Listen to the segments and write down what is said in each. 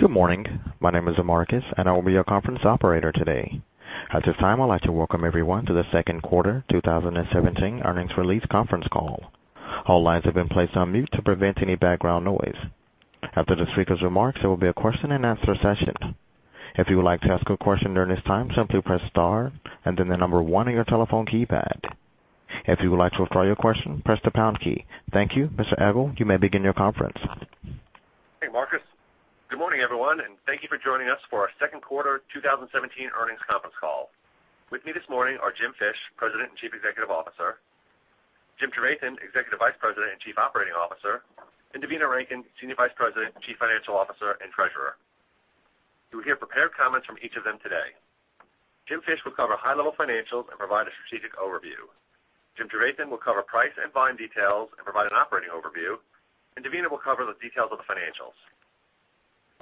Good morning. My name is Marcus, and I will be your conference operator today. At this time, I'd like to welcome everyone to the second quarter 2017 earnings release conference call. All lines have been placed on mute to prevent any background noise. After the speaker's remarks, there will be a question-and-answer session. If you would like to ask a question during this time, simply press star and then the number 1 on your telephone keypad. If you would like to withdraw your question, press the pound key. Thank you. Mr. Egl, you may begin your conference. Hey, Marcus. Good morning, everyone, and thank you for joining us for our second quarter 2017 earnings conference call. With me this morning are Jim Fish, President and Chief Executive Officer, Jim Trevathan, Executive Vice President and Chief Operating Officer, and Devina Rankin, Senior Vice President and Chief Financial Officer and Treasurer. You will hear prepared comments from each of them today. Jim Fish will cover high-level financials and provide a strategic overview. Jim Trevathan will cover price and volume details and provide an operating overview. Devina will cover the details of the financials.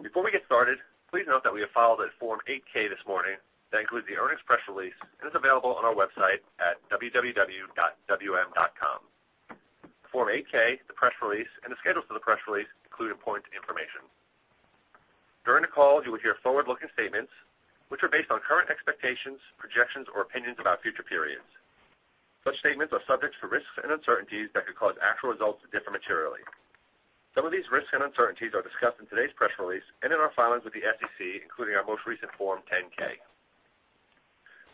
Before we get started, please note that we have filed a Form 8-K this morning that includes the earnings press release and is available on our website at www.wm.com. The Form 8-K, the press release, and the schedules for the press release include important information. During the call, you will hear forward-looking statements, which are based on current expectations, projections, or opinions about future periods. Such statements are subject to risks and uncertainties that could cause actual results to differ materially. Some of these risks and uncertainties are discussed in today's press release and in our filings with the SEC, including our most recent Form 10-K.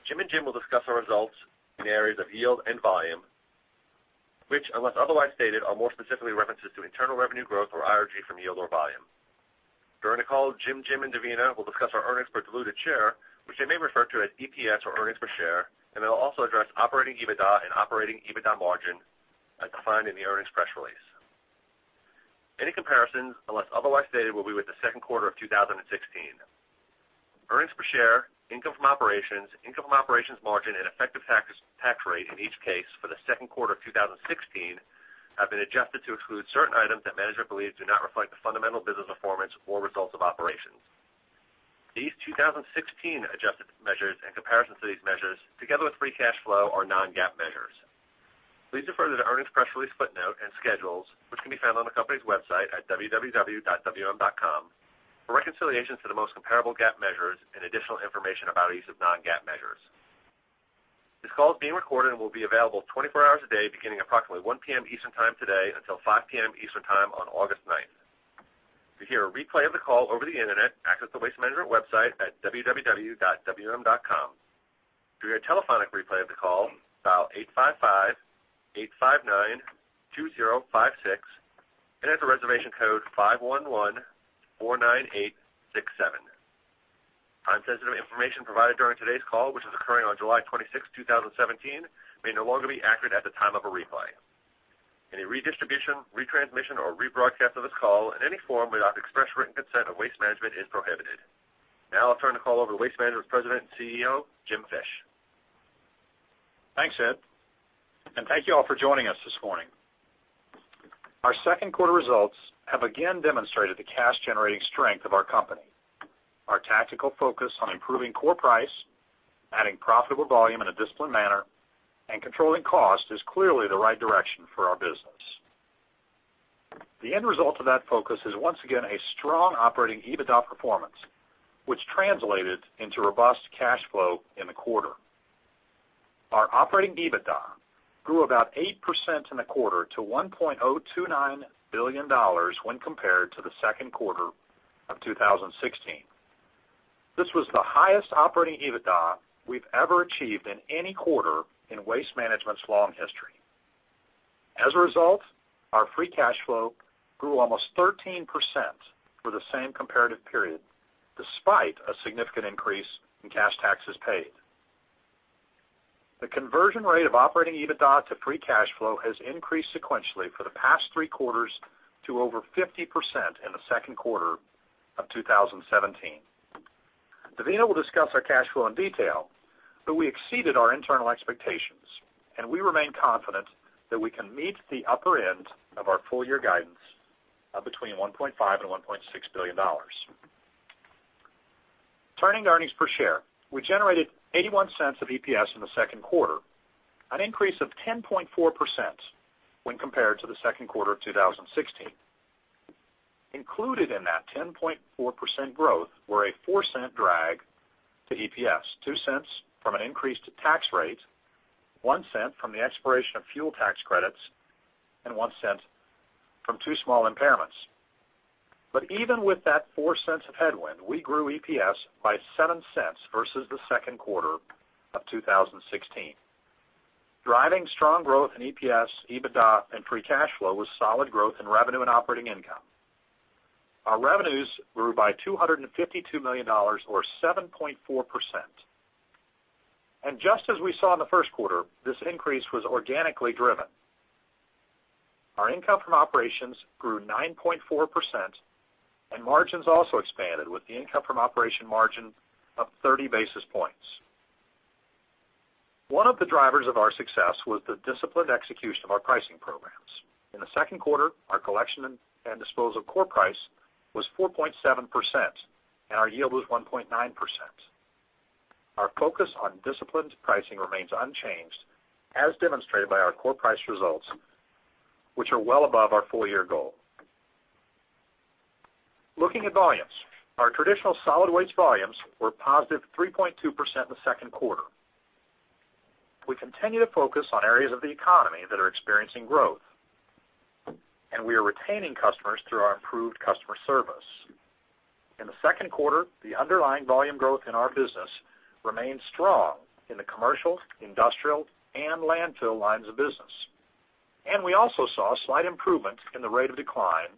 Jim and Jim will discuss our results in the areas of yield and volume, which, unless otherwise stated, are more specifically references to internal revenue growth, or IRG, from yield or volume. During the call, Jim, and Devina will discuss our earnings per diluted share, which they may refer to as EPS or earnings per share. They'll also address Operating EBITDA and Operating EBITDA margin as defined in the earnings press release. Any comparisons, unless otherwise stated, will be with the second quarter of 2016. Earnings per share, income from operations, income from operations margin, and effective tax rate in each case for the second quarter of 2016 have been adjusted to exclude certain items that management believes do not reflect the fundamental business performance or results of operations. These 2016 adjusted measures and comparisons to these measures, together with free cash flow, are non-GAAP measures. Please refer to the earnings press release footnote and schedules, which can be found on the company's website at www.wm.com for reconciliations to the most comparable GAAP measures and additional information about the use of non-GAAP measures. This call is being recorded and will be available 24 hours a day, beginning approximately 1:00 P.M. Eastern Time today until 5:00 P.M. Eastern Time on August 9th. To hear a replay of the call over the Internet, access the Waste Management website at www.wm.com. To hear a telephonic replay of the call, dial 855-859-2056 and enter reservation code 51149867. Time-sensitive information provided during today's call, which is occurring on July 26th, 2017, may no longer be accurate at the time of a replay. Any redistribution, retransmission, or rebroadcast of this call in any form without the express written consent of Waste Management is prohibited. Now I'll turn the call over to Waste Management's President and CEO, Jim Fish. Thanks, Ed. Thank you all for joining us this morning. Our second quarter results have again demonstrated the cash-generating strength of our company. Our tactical focus on improving core price, adding profitable volume in a disciplined manner, and controlling cost is clearly the right direction for our business. The end result of that focus is once again a strong Operating EBITDA performance, which translated into robust cash flow in the quarter. Our Operating EBITDA grew about 8% in the quarter to $1.029 billion when compared to the second quarter of 2016. This was the highest Operating EBITDA we've ever achieved in any quarter in Waste Management's long history. As a result, our free cash flow grew almost 13% for the same comparative period, despite a significant increase in cash taxes paid. The conversion rate of Operating EBITDA to free cash flow has increased sequentially for the past three quarters to over 50% in the second quarter of 2017. Devina will discuss our cash flow in detail, we exceeded our internal expectations, and we remain confident that we can meet the upper end of our full-year guidance of between $1.5 billion and $1.6 billion. Turning to earnings per share, we generated $0.81 of EPS in the second quarter, an increase of 10.4% when compared to the second quarter of 2016. Included in that 10.4% growth were a $0.04 drag to EPS, $0.02 from an increased tax rate, $0.01 from the expiration of fuel tax credits, and $0.01 from two small impairments. Even with that $0.04 of headwind, we grew EPS by $0.07 versus the second quarter of 2016. Driving strong growth in EPS, EBITDA, and free cash flow was solid growth in revenue and operating income. Our revenues grew by $252 million, or 7.4%. Just as we saw in the first quarter, this increase was organically driven. Our income from operations grew 9.4%, and margins also expanded with the income from operation margin up 30 basis points. One of the drivers of our success was the disciplined execution of our pricing programs. In the second quarter, our collection and disposal core price was 4.7%, and our yield was 1.9%. Our focus on disciplined pricing remains unchanged, as demonstrated by our core price results, which are well above our full-year goal. Looking at volumes, our traditional solid waste volumes were positive 3.2% in the second quarter. We continue to focus on areas of the economy that are experiencing growth, and we are retaining customers through our improved customer service. In the second quarter, the underlying volume growth in our business remained strong in the commercial, industrial, and landfill lines of business, and we also saw a slight improvement in the rate of decline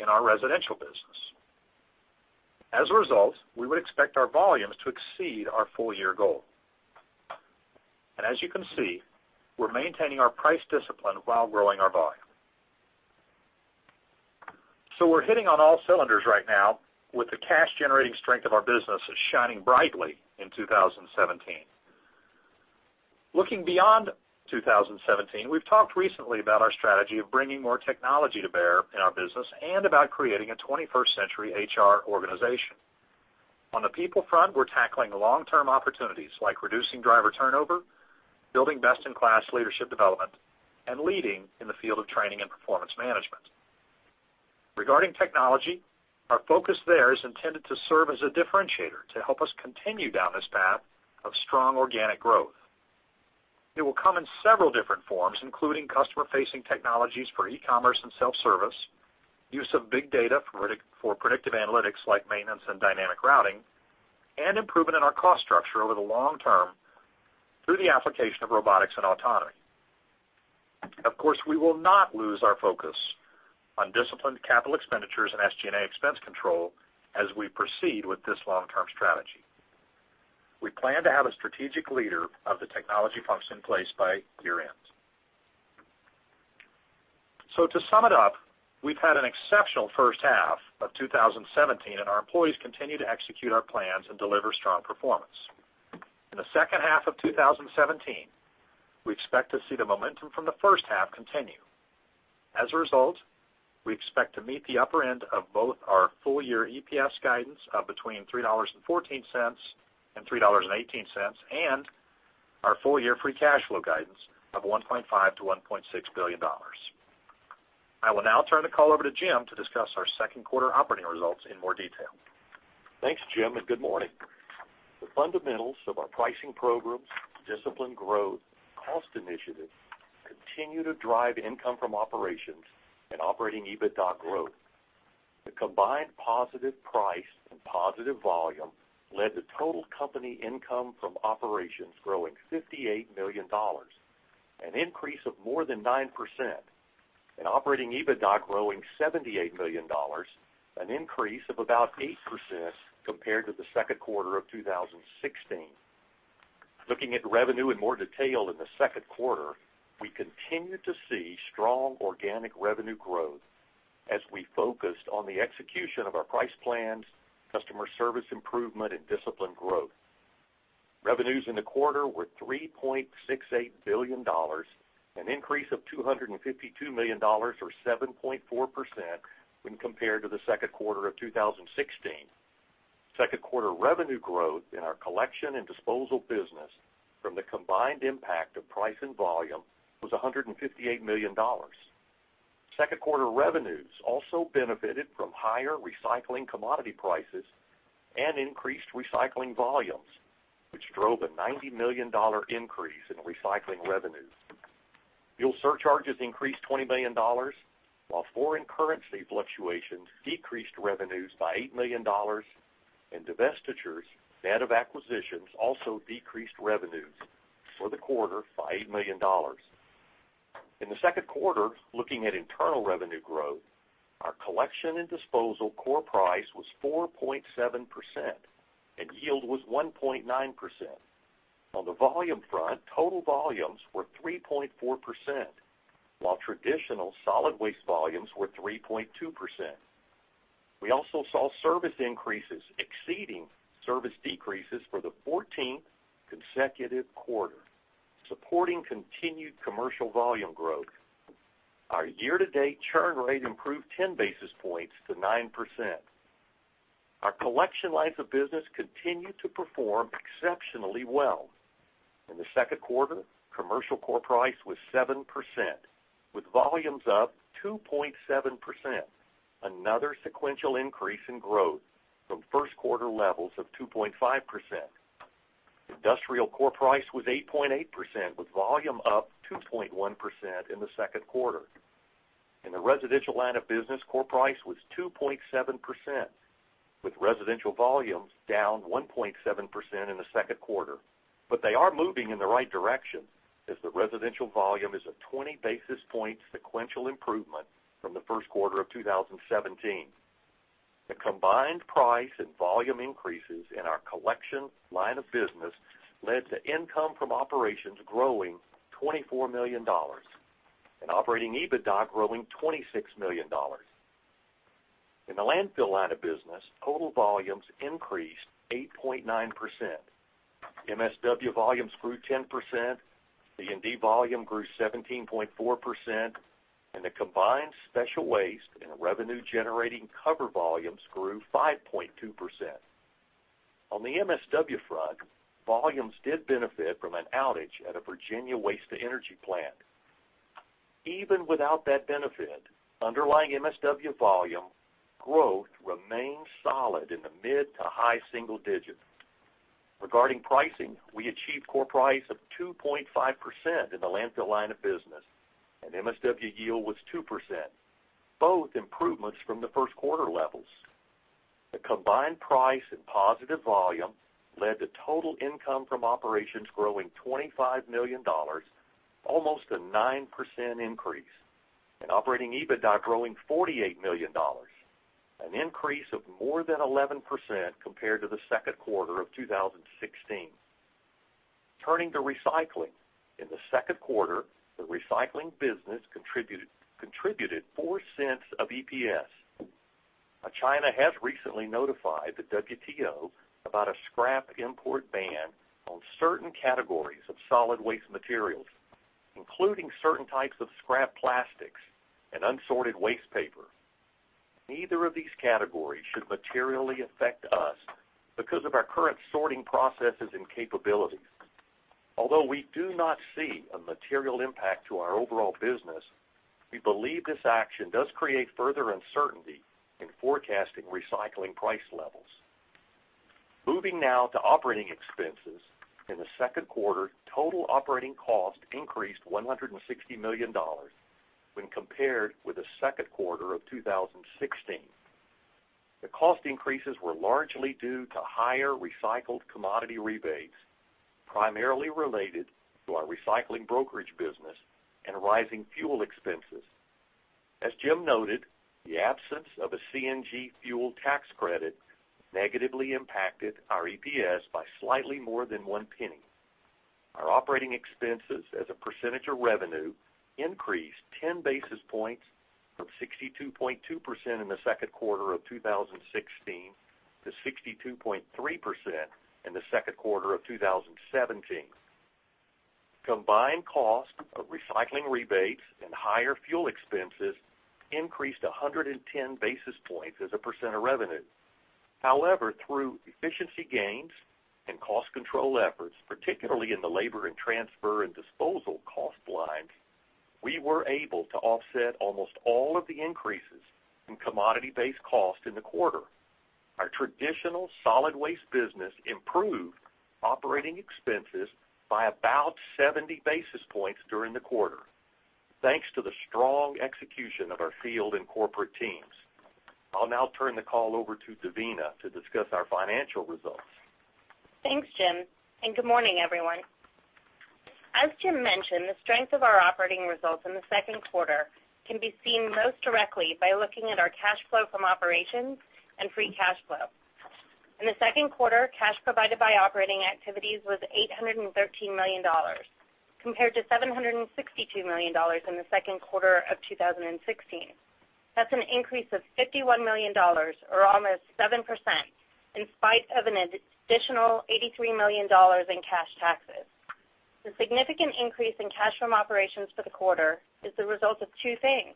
in our residential business. As a result, we would expect our volumes to exceed our full-year goal. As you can see, we're maintaining our price discipline while growing our volume. We're hitting on all cylinders right now with the cash generating strength of our business is shining brightly in 2017. Looking beyond 2017, we've talked recently about our strategy of bringing more technology to bear in our business and about creating a 21st century HR organization. On the people front, we're tackling long-term opportunities like reducing driver turnover, building best-in-class leadership development, and leading in the field of training and performance management. Regarding technology, our focus there is intended to serve as a differentiator to help us continue down this path of strong organic growth. It will come in several different forms, including customer-facing technologies for e-commerce and self-service, use of big data for predictive analytics like maintenance and dynamic routing, and improvement in our cost structure over the long term through the application of robotics and autonomy. Of course, we will not lose our focus on disciplined capital expenditures and SG&A expense control as we proceed with this long-term strategy. We plan to have a strategic leader of the technology function in place by year-end. To sum it up, we've had an exceptional first half of 2017, and our employees continue to execute our plans and deliver strong performance. In the second half of 2017, we expect to see the momentum from the first half continue. As a result, we expect to meet the upper end of both our full-year EPS guidance of between $3.14 and $3.18, and our full-year free cash flow guidance of $1.5 billion to $1.6 billion. I will now turn the call over to James to discuss our second quarter operating results in more detail. Thanks, Jim, and good morning. The fundamentals of our pricing programs, disciplined growth, and cost initiatives continue to drive income from operations and Operating EBITDA growth. The combined positive price and positive volume led to total company income from operations growing $58 million, an increase of more than 9%, and Operating EBITDA growing $78 million, an increase of about 8% compared to the second quarter of 2016. Looking at revenue in more detail in the second quarter, we continued to see strong organic revenue growth as we focused on the execution of our price plans, customer service improvement, and disciplined growth. Revenues in the quarter were $3.68 billion, an increase of $252 million or 7.4% when compared to the second quarter of 2016. Second quarter revenue growth in our collection and disposal business from the combined impact of price and volume was $158 million. Second quarter revenues also benefited from higher recycling commodity prices and increased recycling volumes, which drove a $90 million increase in recycling revenues. Fuel surcharges increased $20 million, while foreign currency fluctuations decreased revenues by $8 million, and divestitures, net of acquisitions, also decreased revenues for the quarter by $8 million. In the second quarter, looking at internal revenue growth, our collection and disposal core price was 4.7%, and yield was 1.9%. On the volume front, total volumes were 3.4%, while traditional solid waste volumes were 3.2%. We also saw service increases exceeding service decreases for the 14th consecutive quarter, supporting continued commercial volume growth. Our year-to-date churn rate improved 10 basis points to 9%. Our collection lines of business continued to perform exceptionally well. In the second quarter, commercial core price was 7%, with volumes up 2.7%, another sequential increase in growth from first quarter levels of 2.5%. Industrial core price was 8.8%, with volume up 2.1% in the second quarter. In the residential line of business, core price was 2.7%, with residential volumes down 1.7% in the second quarter, but they are moving in the right direction as the residential volume is a 20 basis point sequential improvement from the first quarter of 2017. The combined price and volume increases in our collection line of business led to income from operations growing $24 million and Operating EBITDA growing $26 million. In the landfill line of business, total volumes increased 8.9%. MSW volumes grew 10%. The C&D volume grew 17.4%, and the combined special waste and revenue-generating cover volumes grew 5.2%. On the MSW front, volumes did benefit from an outage at a Virginia waste-to-energy plant. Even without that benefit, underlying MSW volume growth remains solid in the mid to high single digits. Regarding pricing, we achieved core price of 2.5% in the landfill line of business, and MSW yield was 2%, both improvements from the first quarter levels. The combined price and positive volume led to total income from operations growing $25 million, almost a 9% increase, and Operating EBITDA growing $48 million, an increase of more than 11% compared to the second quarter of 2016. Turning to recycling. In the second quarter, the recycling business contributed $0.04 of EPS. China has recently notified the WTO about a scrap import ban on certain categories of solid waste materials, including certain types of scrap plastics and unsorted waste paper. Neither of these categories should materially affect us because of our current sorting processes and capabilities. Although we do not see a material impact to our overall business, we believe this action does create further uncertainty in forecasting recycling price levels. Moving now to operating expenses. In the second quarter, total operating cost increased $160 million when compared with the second quarter of 2016. The cost increases were largely due to higher recycled commodity rebates, primarily related to our recycling brokerage business and rising fuel expenses. As Jim noted, the absence of a CNG fuel tax credit negatively impacted our EPS by slightly more than $0.01. Our operating expenses as a percentage of revenue increased 10 basis points from 62.2% in the second quarter of 2016 to 62.3% in the second quarter of 2017. Combined cost of recycling rebates and higher fuel expenses increased 110 basis points as a percent of revenue. Through efficiency gains and cost control efforts, particularly in the labor and transfer and disposal cost lines, we were able to offset almost all of the increases in commodity-based cost in the quarter. Our traditional solid waste business improved operating expenses by about 70 basis points during the quarter, thanks to the strong execution of our field and corporate teams. I'll now turn the call over to Devina to discuss our financial results. Thanks, Jim, and good morning, everyone. As Jim mentioned, the strength of our operating results in the second quarter can be seen most directly by looking at our cash flow from operations and free cash flow. In the second quarter, cash provided by operating activities was $813 million, compared to $762 million in the second quarter of 2016. That's an increase of $51 million or almost 7%, in spite of an additional $83 million in cash taxes. The significant increase in cash from operations for the quarter is the result of two things.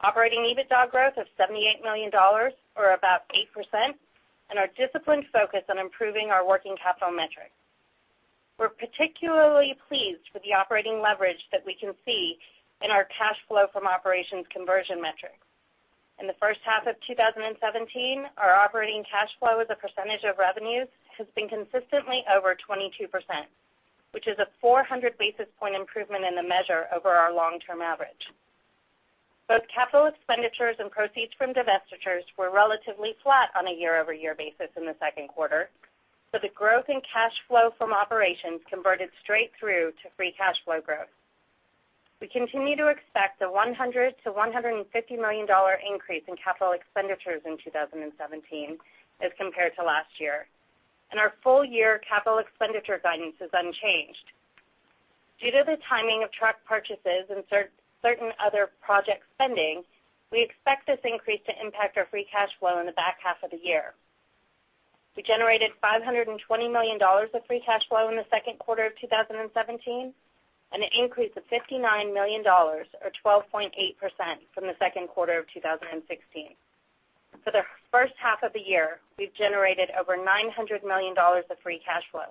Operating EBITDA growth of $78 million, or about 8%, and our disciplined focus on improving our working capital metrics. We're particularly pleased with the operating leverage that we can see in our cash flow from operations conversion metrics. In the first half of 2017, our operating cash flow as a percentage of revenues has been consistently over 22%, which is a 400 basis point improvement in the measure over our long-term average. Both capital expenditures and proceeds from divestitures were relatively flat on a year-over-year basis in the second quarter, the growth in cash flow from operations converted straight through to free cash flow growth. We continue to expect a $100 million-$150 million increase in capital expenditures in 2017 as compared to last year, our full year capital expenditure guidance is unchanged. Due to the timing of truck purchases and certain other project spending, we expect this increase to impact our free cash flow in the back half of the year. We generated $520 million of free cash flow in the second quarter of 2017, an increase of $59 million or 12.8% from the second quarter of 2016. For the first half of the year, we've generated over $900 million of free cash flow,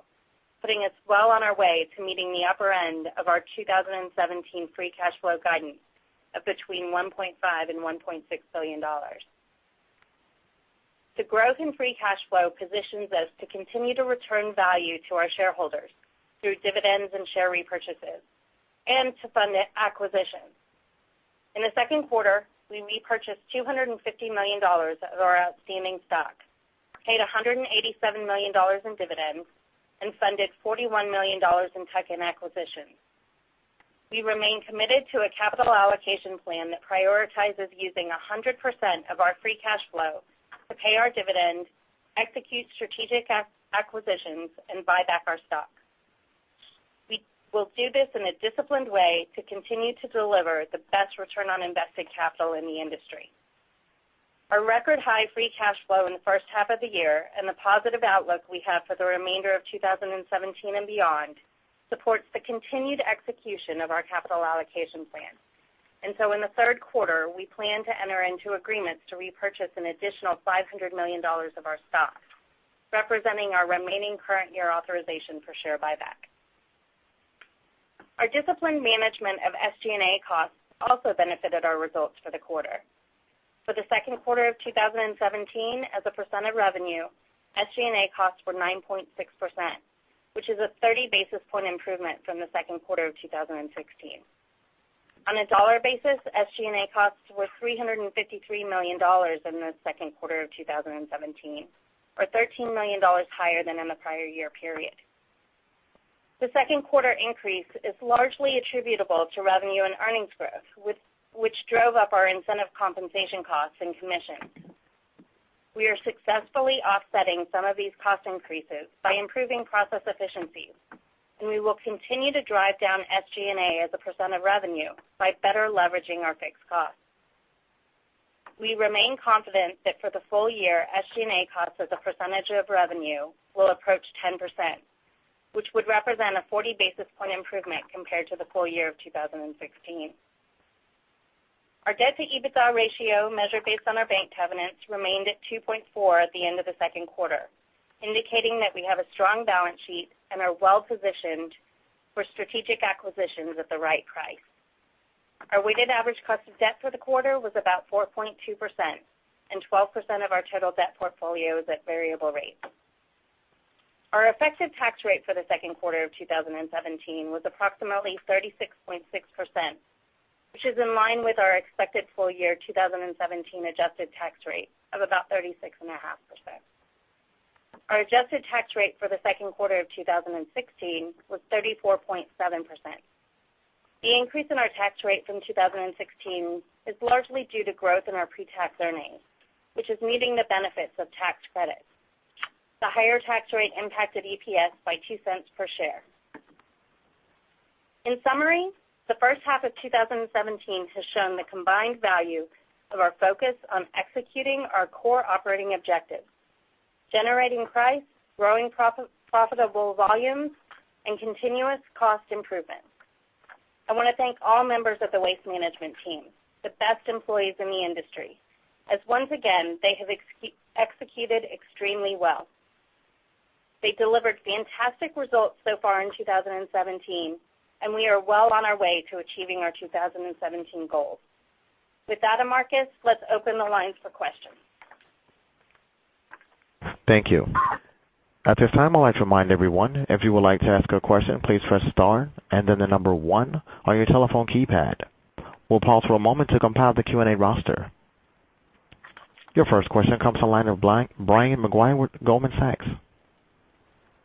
putting us well on our way to meeting the upper end of our 2017 free cash flow guidance of between $1.5 billion and $1.6 billion. The growth in free cash flow positions us to continue to return value to our shareholders through dividends and share repurchases and to fund acquisitions. In the second quarter, we repurchased $250 million of our outstanding stock, paid $187 million in dividends, and funded $41 million in tuck-in acquisitions. We remain committed to a capital allocation plan that prioritizes using 100% of our free cash flow to pay our dividend, execute strategic acquisitions, and buy back our stock. We will do this in a disciplined way to continue to deliver the best return on invested capital in the industry. Our record high free cash flow in the first half of the year and the positive outlook we have for the remainder of 2017 and beyond supports the continued execution of our capital allocation plan. In the third quarter, we plan to enter into agreements to repurchase an additional $500 million of our stock, representing our remaining current year authorization for share buyback. Our disciplined management of SG&A costs also benefited our results for the quarter. For the second quarter of 2017, as a percent of revenue, SG&A costs were 9.6%, which is a 30-basis point improvement from the second quarter of 2016. On a dollar basis, SG&A costs were $353 million in the second quarter of 2017, or $13 million higher than in the prior year period. The second quarter increase is largely attributable to revenue and earnings growth, which drove up our incentive compensation costs and commissions. We are successfully offsetting some of these cost increases by improving process efficiencies, and we will continue to drive down SG&A as a percent of revenue by better leveraging our fixed costs. We remain confident that for the full year, SG&A costs as a percentage of revenue will approach 10%, which would represent a 40-basis point improvement compared to the full year of 2016. Our debt-to-EBITDA ratio, measured based on our bank covenants, remained at 2.4 at the end of the second quarter, indicating that we have a strong balance sheet and are well-positioned for strategic acquisitions at the right price. Our weighted average cost of debt for the quarter was about 4.2%, and 12% of our total debt portfolio is at variable rates. Our effective tax rate for the second quarter of 2017 was approximately 36.6%, which is in line with our expected full year 2017 adjusted tax rate of about 36.5%. Our adjusted tax rate for the second quarter of 2016 was 34.7%. The increase in our tax rate from 2016 is largely due to growth in our pre-tax earnings, which is meeting the benefits of tax credits. The higher tax rate impacted EPS by $0.02 per share. In summary, the first half of 2017 has shown the combined value of our focus on executing our core operating objectives, generating price, growing profitable volume, and continuous cost improvements. I want to thank all members of the Waste Management team, the best employees in the industry, as once again, they have executed extremely well. They delivered fantastic results so far in 2017, we are well on our way to achieving our 2017 goals. With that, Marcus, let's open the lines for questions. Thank you. At this time, I'd like to remind everyone, if you would like to ask a question, please press star and then the number one on your telephone keypad. We'll pause for a moment to compile the Q&A roster. Your first question comes on the line of Brian Maguire with Goldman Sachs.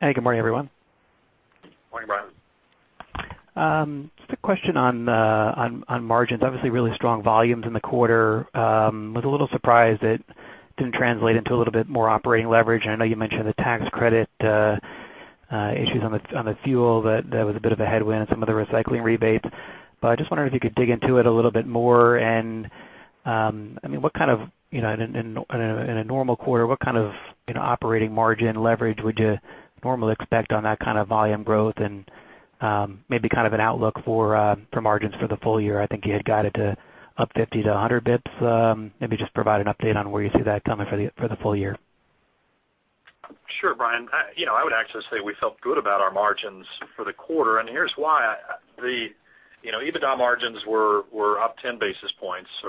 Hey, good morning, everyone. Morning, Brian. Just a question on margins. Obviously, really strong volumes in the quarter. Was a little surprised it didn't translate into a little bit more operating leverage, and I know you mentioned the tax credit issues on the fuel that was a bit of a headwind and some of the recycling rebates. I just wondered if you could dig into it a little bit more and, in a normal quarter, what kind of operating margin leverage would you normally expect on that kind of volume growth and maybe an outlook for margins for the full year? I think you had guided to up 50-100 basis points. Maybe just provide an update on where you see that coming for the full year. Sure, Brian. I would actually say we felt good about our margins for the quarter, and here's why. The Operating EBITDA margins were better by 10 basis points. They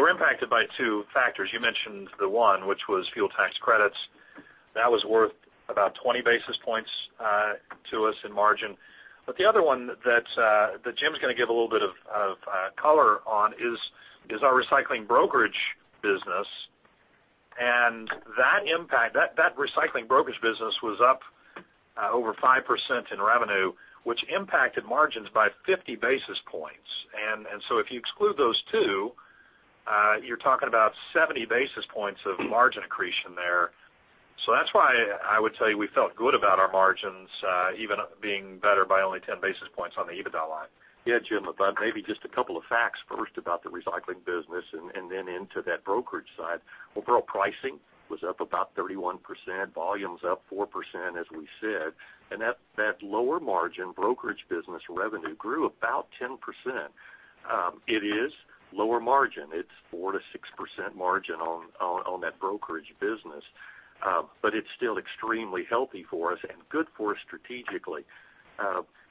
were impacted by two factors. You mentioned the one, which was fuel tax credits. That was worth about 20 basis points to us in margin. The other one that Jim's going to give a little bit of color on is our recycling brokerage business. That recycling brokerage business was up over 5% in revenue, which impacted margins by 50 basis points. If you exclude those two, you're talking about 70 basis points of margin accretion there. That's why I would tell you we felt good about our margins, even being better by only 10 basis points on the Operating EBITDA line. Yeah, Jim, maybe just a couple of facts first about the recycling business and then into that brokerage side. Overall pricing was up about 31%, volumes up 4%, as we said, and that lower margin brokerage business revenue grew about 10%. It is lower margin. It's 4%-6% margin on that brokerage business. It's still extremely healthy for us and good for us strategically.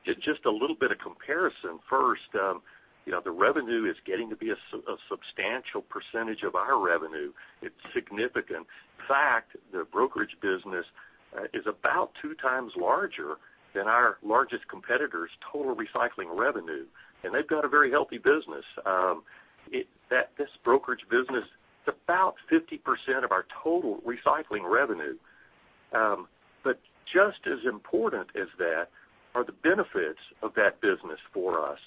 Just a little bit of comparison. First, the revenue is getting to be a substantial percentage of our revenue. It's significant. In fact, the brokerage business is about two times larger than our largest competitor's total recycling revenue, and they've got a very healthy business. This brokerage business is about 50% of our total recycling revenue. Just as important as that are the benefits of that business for us.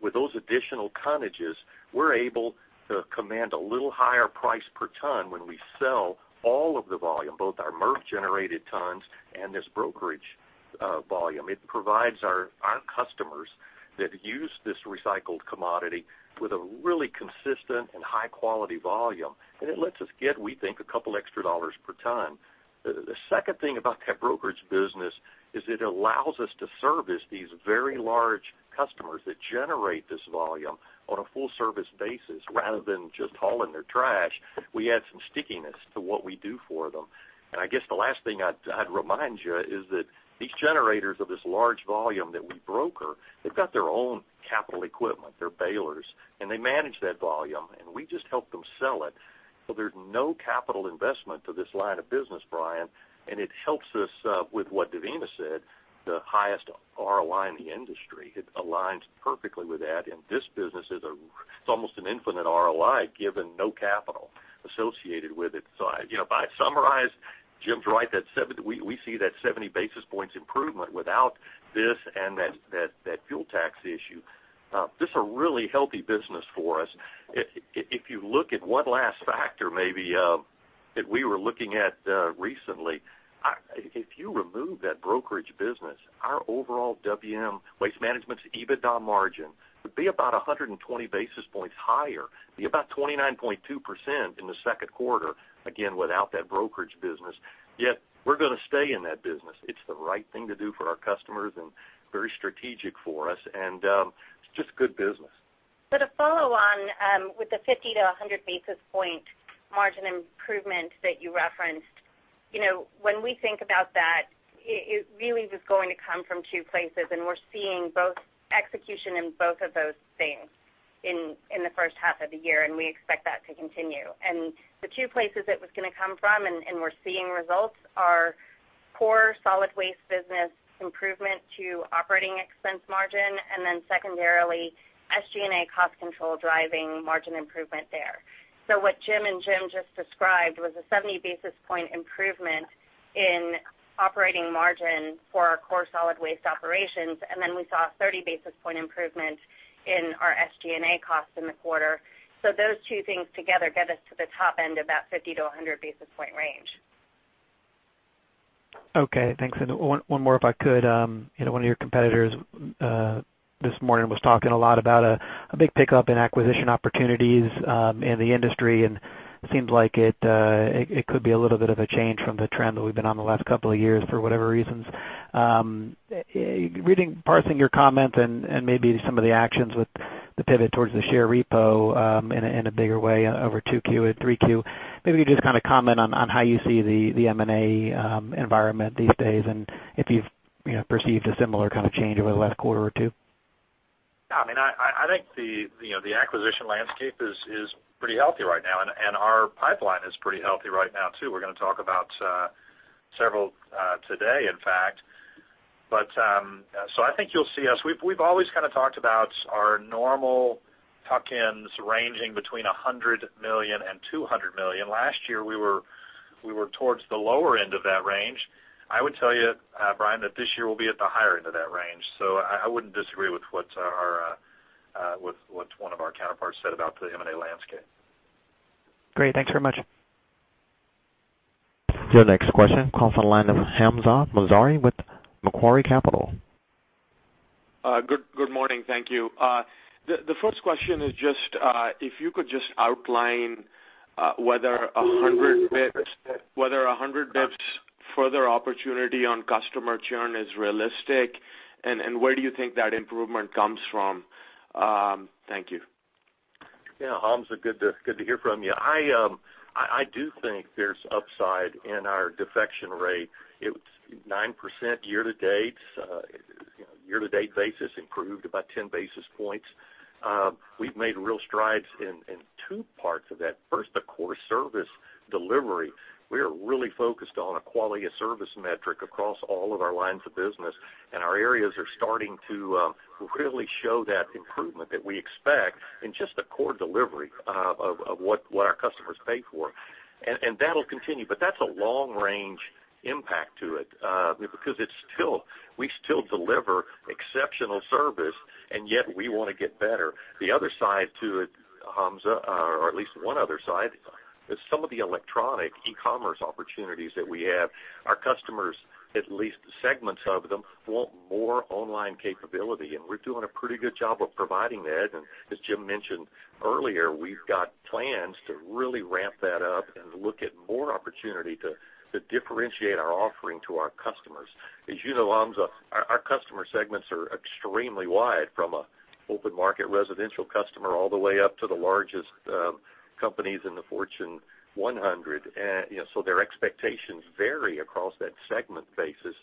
With those additional tonnages, we're able to command a little higher price per ton when we sell all of the volume, both our MRF-generated tons and this brokerage volume. It provides our customers that use this recycled commodity with a really consistent and high-quality volume, and it lets us get, we think, a couple extra dollars per ton. The second thing about that brokerage business is it allows us to service these very large customers that generate this volume on a full-service basis, rather than just hauling their trash. We add some stickiness to what we do for them. I guess the last thing I'd remind you is that these generators of this large volume that we broker, they've got their own capital equipment, their balers, and they manage that volume, and we just help them sell it. There's no capital investment to this line of business, Brian, and it helps us with what Devina said, the highest ROI in the industry. It aligns perfectly with that, this business is almost an infinite ROI given no capital associated with it. If I summarize, Jim's right. We see that 70 basis points improvement without this and that fuel tax issue. This is a really healthy business for us. If you look at one last factor maybe that we were looking at recently, if you remove that brokerage business, our overall WM, Waste Management's EBITDA margin, would be about 120 basis points higher, be about 29.2% in the second quarter, again, without that brokerage business. We're going to stay in that business. It's the right thing to do for our customers and very strategic for us. It's just good business. To follow on with the 50-100 basis point margin improvement that you referenced, when we think about that, it really is going to come from two places, we're seeing both execution in both of those things in the first half of the year, we expect that to continue. The two places it was going to come from and we're seeing results are core solid waste business improvement to operating expense margin, then secondarily, SG&A cost control driving margin improvement there. What Jim and Jim just described was a 70 basis point improvement in operating margin for our core solid waste operations, then we saw a 30 basis point improvement in our SG&A cost in the quarter. Those two things together get us to the top end of that 50-100 basis point range. Okay, thanks. One more if I could. One of your competitors this morning was talking a lot about a big pickup in acquisition opportunities in the industry, and it seems like it could be a little bit of a change from the trend that we've been on the last couple of years for whatever reasons. Parsing your comments and maybe some of the actions with the pivot towards the share repo in a bigger way over 2Q and 3Q, maybe you could just comment on how you see the M&A environment these days and if you've perceived a similar kind of change over the last quarter or two. I think the acquisition landscape is pretty healthy right now, our pipeline is pretty healthy right now, too. We're going to talk about several today, in fact. I think you'll see us We've always kind of talked about our normal tuck-ins ranging between $100 million and $200 million. Last year, we were towards the lower end of that range. I would tell you, Brian, that this year we'll be at the higher end of that range. I wouldn't disagree with what one of our counterparts said about the M&A landscape. Great. Thanks very much. Your next question comes on line of Hamzah Mazari with Macquarie Capital. Good morning. Thank you. The first question is just if you could just outline whether 100 basis points further opportunity on customer churn is realistic, and where do you think that improvement comes from? Thank you. Yeah, Hamzah, good to hear from you. I do think there's upside in our defection rate. It's 9% year to date. Year-to-date basis improved about 10 basis points. We've made real strides in two parts of that. First, the core service delivery. We are really focused on a quality of service metric across all of our lines of business, and our areas are starting to really show that improvement that we expect in just the core delivery of what our customers pay for. That'll continue, but that's a long-range impact to it, because we still deliver exceptional service, and yet we want to get better. The other side to it, Hamzah, or at least one other side, is some of the electronic e-commerce opportunities that we have. Our customers, at least segments of them, want more online capability, we're doing a pretty good job of providing that. As Jim mentioned earlier, we've got plans to really ramp that up and look at more opportunity to differentiate our offering to our customers. As you know, Hamzah, our customer segments are extremely wide, from an open market residential customer all the way up to the largest companies in the Fortune 100. Their expectations vary across that segment basis,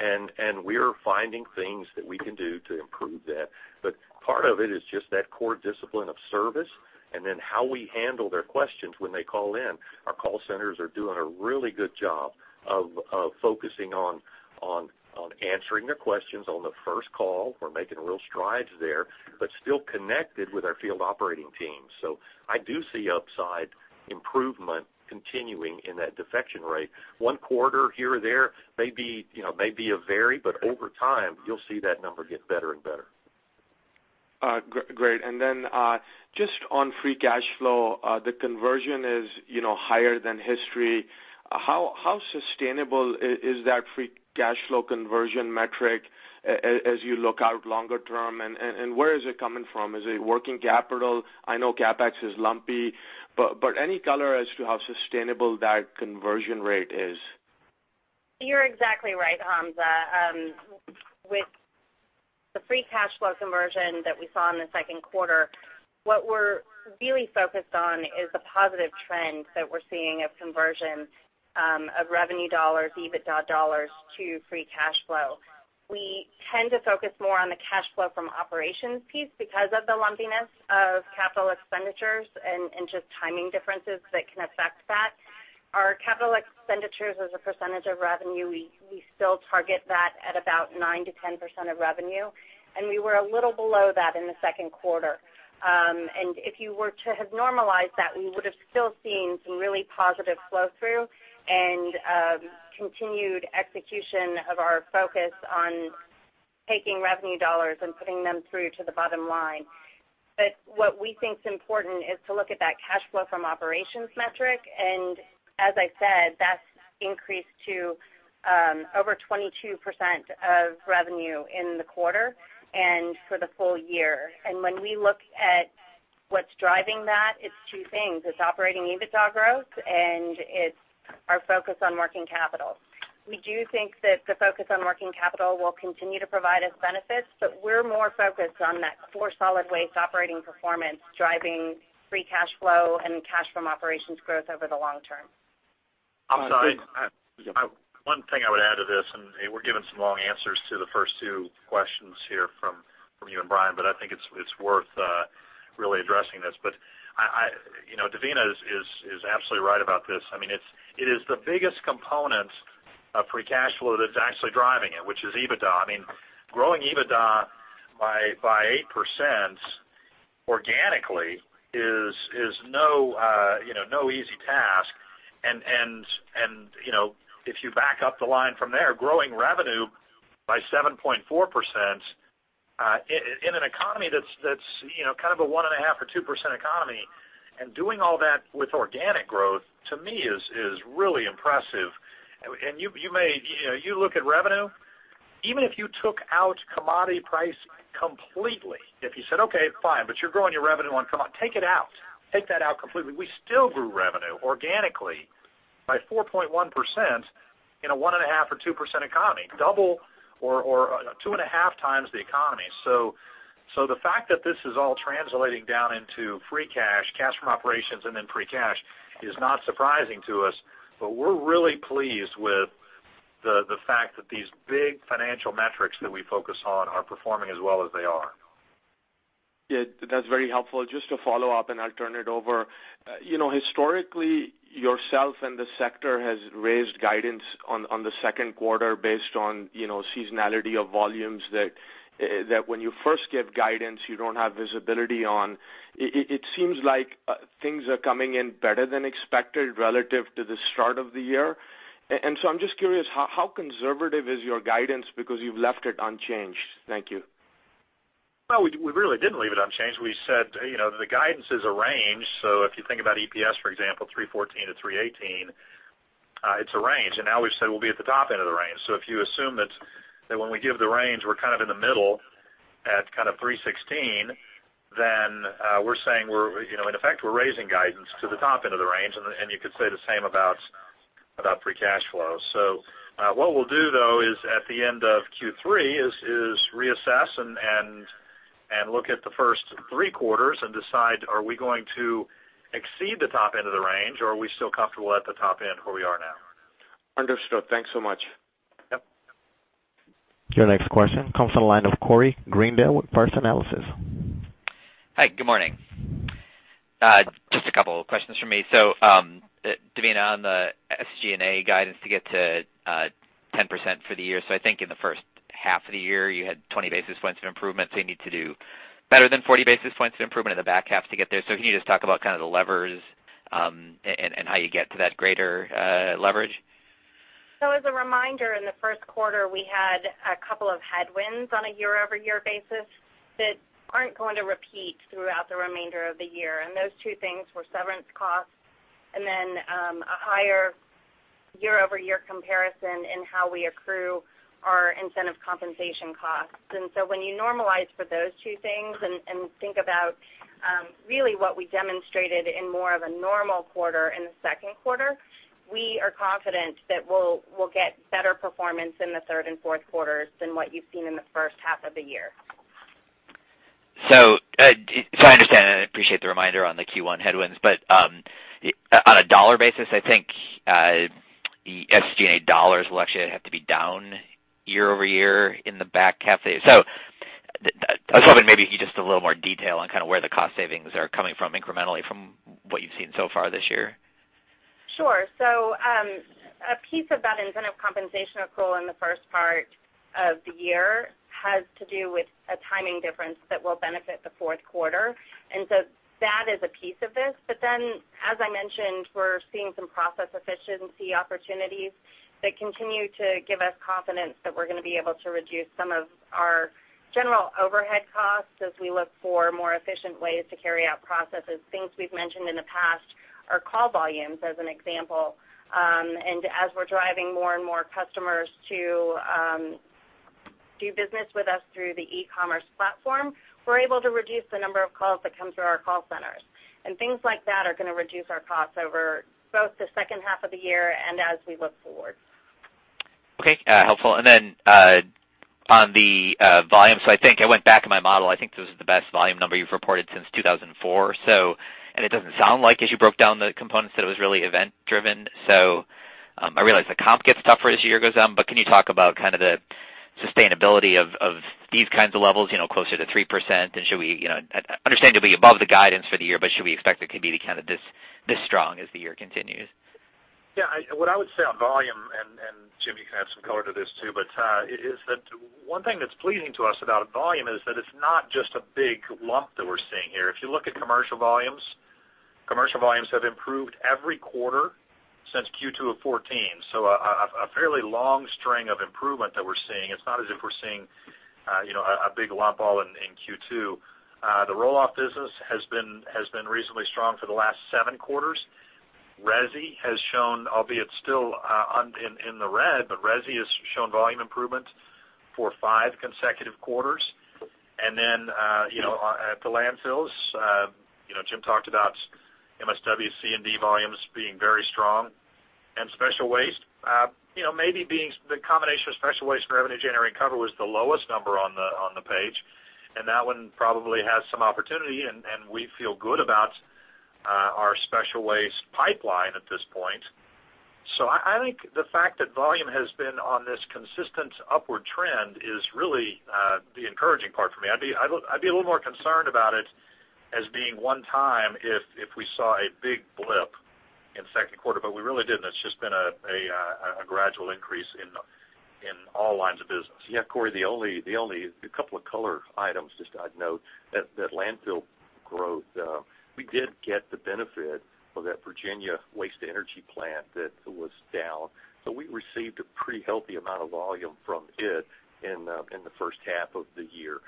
and we're finding things that we can do to improve that. Part of it is just that core discipline of service and then how we handle their questions when they call in. Our call centers are doing a really good job of focusing on answering their questions on the first call. We're making real strides there, but still connected with our field operating teams. I do see upside improvement continuing in that defection rate. One quarter here or there may vary, over time, you'll see that number get better and better. Great. Just on free cash flow, the conversion is higher than history. How sustainable is that free cash flow conversion metric as you look out longer term, and where is it coming from? Is it working capital? I know CapEx is lumpy, any color as to how sustainable that conversion rate is? You're exactly right, Hamzah. With the free cash flow conversion that we saw in the second quarter, what we're really focused on is the positive trend that we're seeing of conversion of revenue dollars, EBITDA dollars to free cash flow. We tend to focus more on the cash flow from operations piece because of the lumpiness of capital expenditures and just timing differences that can affect that. Our capital expenditures as a percentage of revenue, we still target that at about 9%-10% of revenue, we were a little below that in the second quarter. If you were to have normalized that, we would've still seen some really positive flow-through and continued execution of our focus on taking revenue dollars and putting them through to the bottom line. What we think is important is to look at that cash flow from operations metric, and as I said, that's increased to over 22% of revenue in the quarter and for the full year. When we look at what's driving that, it's two things. It's Operating EBITDA growth, and it's our focus on working capital. We do think that the focus on working capital will continue to provide us benefits, but we're more focused on that core solid waste operating performance driving free cash flow and cash from operations growth over the long term. Hamza, Go ahead. One thing I would add to this, and we're giving some long answers to the first two questions here from you and Brian, but I think it's worth really addressing this. Devina is absolutely right about this. It is the biggest component of free cash flow that's actually driving it, which is EBITDA. Growing EBITDA by 8% organically is no easy task. If you back up the line from there, growing revenue by 7.4% in an economy that's kind of a one and a half or 2% economy, and doing all that with organic growth, to me is really impressive. You look at revenue, even if you took out commodity price completely, if you said, "Okay, fine, but you're growing your revenue on commodity. Take it out. Take that out completely," we still grew revenue organically by 4.1% in a one and a half or 2% economy, double or two and a half times the economy. The fact that this is all translating down into cash from operations and then free cash is not surprising to us, but we're really pleased with the fact that these big financial metrics that we focus on are performing as well as they are. That's very helpful. Just to follow up, and I'll turn it over. Historically, yourself and the sector has raised guidance on the second quarter based on seasonality of volumes that when you first give guidance, you don't have visibility on. It seems like things are coming in better than expected relative to the start of the year. I'm just curious, how conservative is your guidance because you've left it unchanged? Thank you. Well, we really didn't leave it unchanged. We said the guidance is a range, so if you think about EPS, for example, $314-$318, it's a range. Now we've said we'll be at the top end of the range. If you assume that when we give the range, we're kind of in the middle at kind of $316, then we're saying in effect, we're raising guidance to the top end of the range, and you could say the same about free cash flow. What we'll do though is at the end of Q3 is reassess and look at the first three quarters and decide, are we going to exceed the top end of the range, or are we still comfortable at the top end where we are now? Understood. Thanks so much. Yep. Your next question comes from the line of Corey Greendale with First Analysis. Hi, good morning. Just a couple questions from me. Devina, on the SG&A guidance to get to 10% for the year, I think in the first half of the year, you had 20 basis points of improvement, you need to do better than 40 basis points of improvement in the back half to get there. Can you just talk about kind of the levers, and how you get to that greater leverage? As a reminder, in the first quarter, we had a couple of headwinds on a year-over-year basis that aren't going to repeat throughout the remainder of the year, and those two things were severance costs and then a higher year-over-year comparison in how we accrue our incentive compensation costs. When you normalize for those two things and think about really what we demonstrated in more of a normal quarter in the second quarter, we are confident that we'll get better performance in the third and fourth quarters than what you've seen in the first half of the year. I understand and appreciate the reminder on the Q1 headwinds, but on a dollar basis, I think the SG&A dollars will actually have to be down year-over-year in the back half. I was hoping maybe you could give just a little more detail on kind of where the cost savings are coming from incrementally from what you've seen so far this year. A piece of that incentive compensation accrual in the first part of the year has to do with a timing difference that will benefit the fourth quarter. That is a piece of this. As I mentioned, we're seeing some process efficiency opportunities that continue to give us confidence that we're going to be able to reduce some of our general overhead costs as we look for more efficient ways to carry out processes. Things we've mentioned in the past are call volumes, as an example. As we're driving more and more customers to do business with us through the e-commerce platform, we're able to reduce the number of calls that come through our call centers. Things like that are going to reduce our costs over both the second half of the year and as we look forward. Okay, helpful. On the volume, I think I went back in my model, I think this is the best volume number you've reported since 2004. It doesn't sound like, as you broke down the components, that it was really event-driven. I realize the comp gets tougher as the year goes on, but can you talk about the sustainability of these kinds of levels, closer to 3%? I understand it'll be above the guidance for the year, but should we expect it could be this strong as the year continues? Yeah. What I would say on volume, Jim, you can add some color to this, too, one thing that's pleasing to us about volume is that it's not just a big lump that we're seeing here. If you look at commercial volumes, commercial volumes have improved every quarter since Q2 of 2014, a fairly long string of improvement that we're seeing. It's not as if we're seeing a big lump all in Q2. The roll-off business has been reasonably strong for the last 7 quarters. Resi, albeit still in the red, but resi has shown volume improvement for 5 consecutive quarters. At the landfills, Jim talked about MSW C&D volumes being very strong. Special waste, maybe the combination of special waste and revenue-generating cover was the lowest number on the page, that one probably has some opportunity, we feel good about our special waste pipeline at this point. I think the fact that volume has been on this consistent upward trend is really the encouraging part for me. I'd be a little more concerned about it as being one time if we saw a big blip in the second quarter, we really didn't. It's just been a gradual increase in all lines of business. Corey, the only couple of color items I'd note, that landfill growth, we did get the benefit of that Virginia waste-to-energy plant that was down. We received a pretty healthy amount of volume from it in the first half of the year.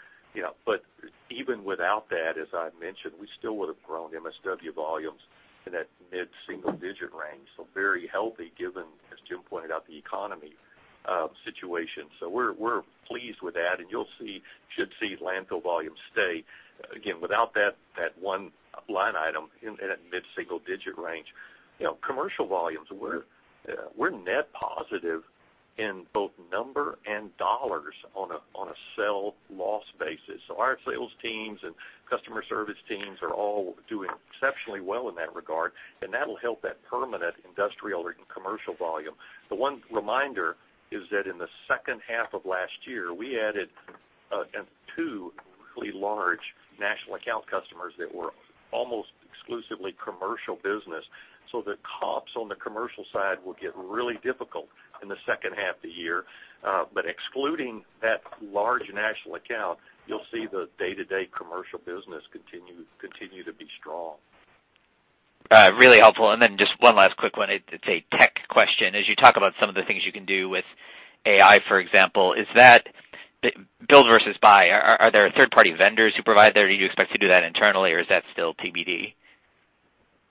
Even without that, as I mentioned, we still would have grown MSW volumes in that mid-single-digit range. Very healthy given, as Jim pointed out, the economy situation. We're pleased with that, and you should see landfill volumes stay, again, without that one line item in that mid-single-digit range. Commercial volumes, we're net positive in both number and dollars on a sell loss basis. Our sales teams and customer service teams are all doing exceptionally well in that regard, and that'll help that permanent industrial or commercial volume. The one reminder is that in the second half of last year, we added two really large national account customers that were almost exclusively commercial business. The comps on the commercial side will get really difficult in the second half of the year. Excluding that large national account, you'll see the day-to-day commercial business continue to be strong. Really helpful. Then just one last quick one. It's a tech question. As you talk about some of the things you can do with AI, for example, is that build versus buy? Are there third-party vendors who provide that, or do you expect to do that internally, or is that still TBD?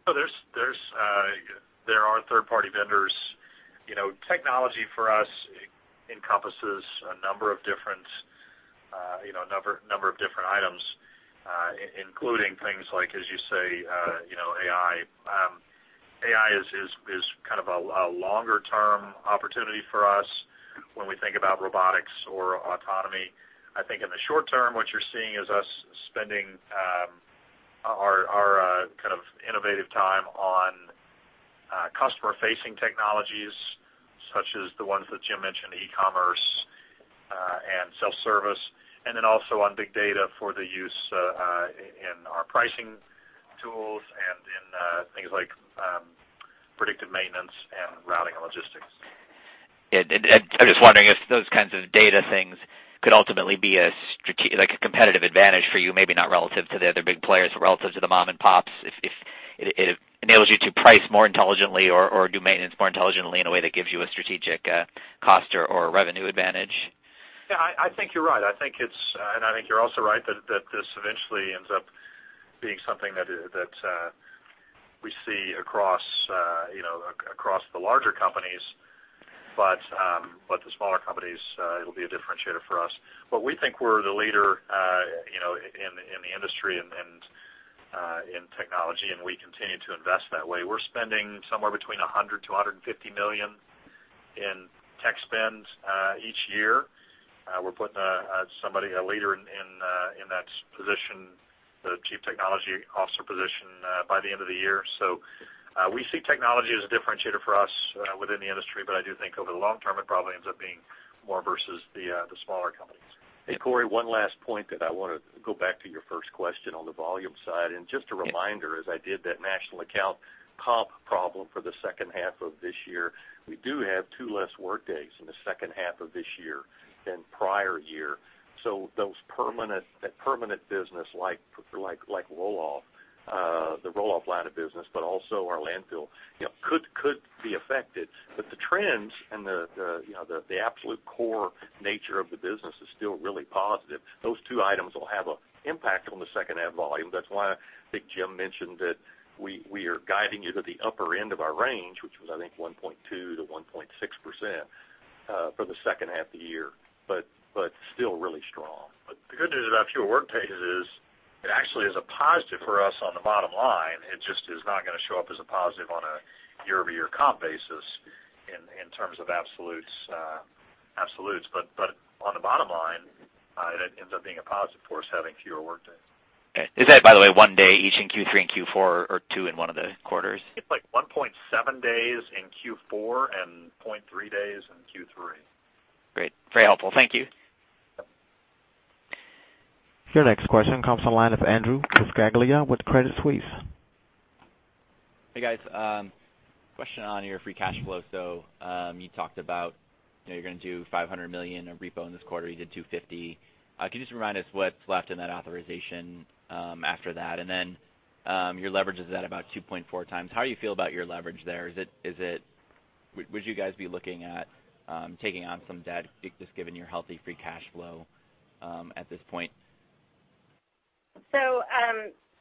There are third-party vendors. Technology for us encompasses a number of different items, including things like, as you say, AI. AI is kind of a longer-term opportunity for us when we think about robotics or autonomy. I think in the short term, what you're seeing is us spending our kind of innovative time on customer-facing technologies, such as the ones that Jim mentioned, e-commerce and self-service, and then also on big data for the use in our pricing tools and in things like predictive maintenance and routing and logistics. I'm just wondering if those kinds of data things could ultimately be a competitive advantage for you, maybe not relative to the other big players, but relative to the mom and pops, if it enables you to price more intelligently or do maintenance more intelligently in a way that gives you a strategic cost or revenue advantage. I think you're right. I think you're also right that this eventually ends up being something that we see across the larger companies, the smaller companies, it'll be a differentiator for us. We think we're the leader in the industry and in technology, and we continue to invest that way. We're spending somewhere between $100 million-$150 million in tech spend each year. We're putting a leader in that position, the Chief Technology Officer position, by the end of the year. We see technology as a differentiator for us within the industry, I do think over the long term, it probably ends up being more versus the smaller companies. Hey, Corey, one last point that I want to go back to your first question on the volume side. Just a reminder, as I did that national account comp problem for the second half of this year, we do have two less workdays in the second half of this year than prior year. That permanent business like the roll-off line of business, also our landfill, could be affected. The trends and the absolute core nature of the business is still really positive. Those two items will have an impact on the second half volume. That's why I think Jim mentioned that we are guiding you to the upper end of our range, which was, I think, 1.2%-1.6%. For the second half of the year, still really strong. The good news about fewer work days is it actually is a positive for us on the bottom line. It just is not going to show up as a positive on a year-over-year comp basis in terms of absolutes. On the bottom line, it ends up being a positive for us having fewer work days. Okay. Is that, by the way, one day each in Q3 and Q4 or two in one of the quarters? It's like 1.7 days in Q4 and 0.3 days in Q3. Great. Very helpful. Thank you. Your next question comes on the line of Andrew Scaglione with Credit Suisse. Hey, guys. Question on your free cash flow. You talked about you're going to do $500 million of repo in this quarter. You did $250. Can you just remind us what's left in that authorization after that? Your leverage is at about 2.4 times. How do you feel about your leverage there? Would you guys be looking at taking on some debt, just given your healthy free cash flow at this point?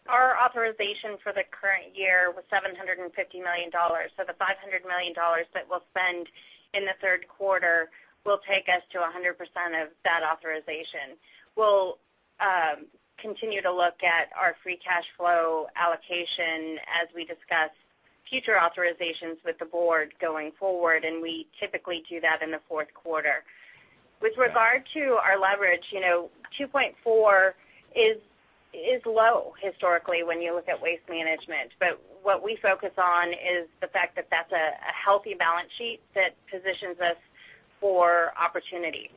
Our authorization for the current year was $750 million. The $500 million that we'll spend in the third quarter will take us to 100% of that authorization. We'll continue to look at our free cash flow allocation as we discuss future authorizations with the board going forward, and we typically do that in the fourth quarter. With regard to our leverage, 2.4 is low historically when you look at Waste Management. What we focus on is the fact that that's a healthy balance sheet that positions us for opportunity.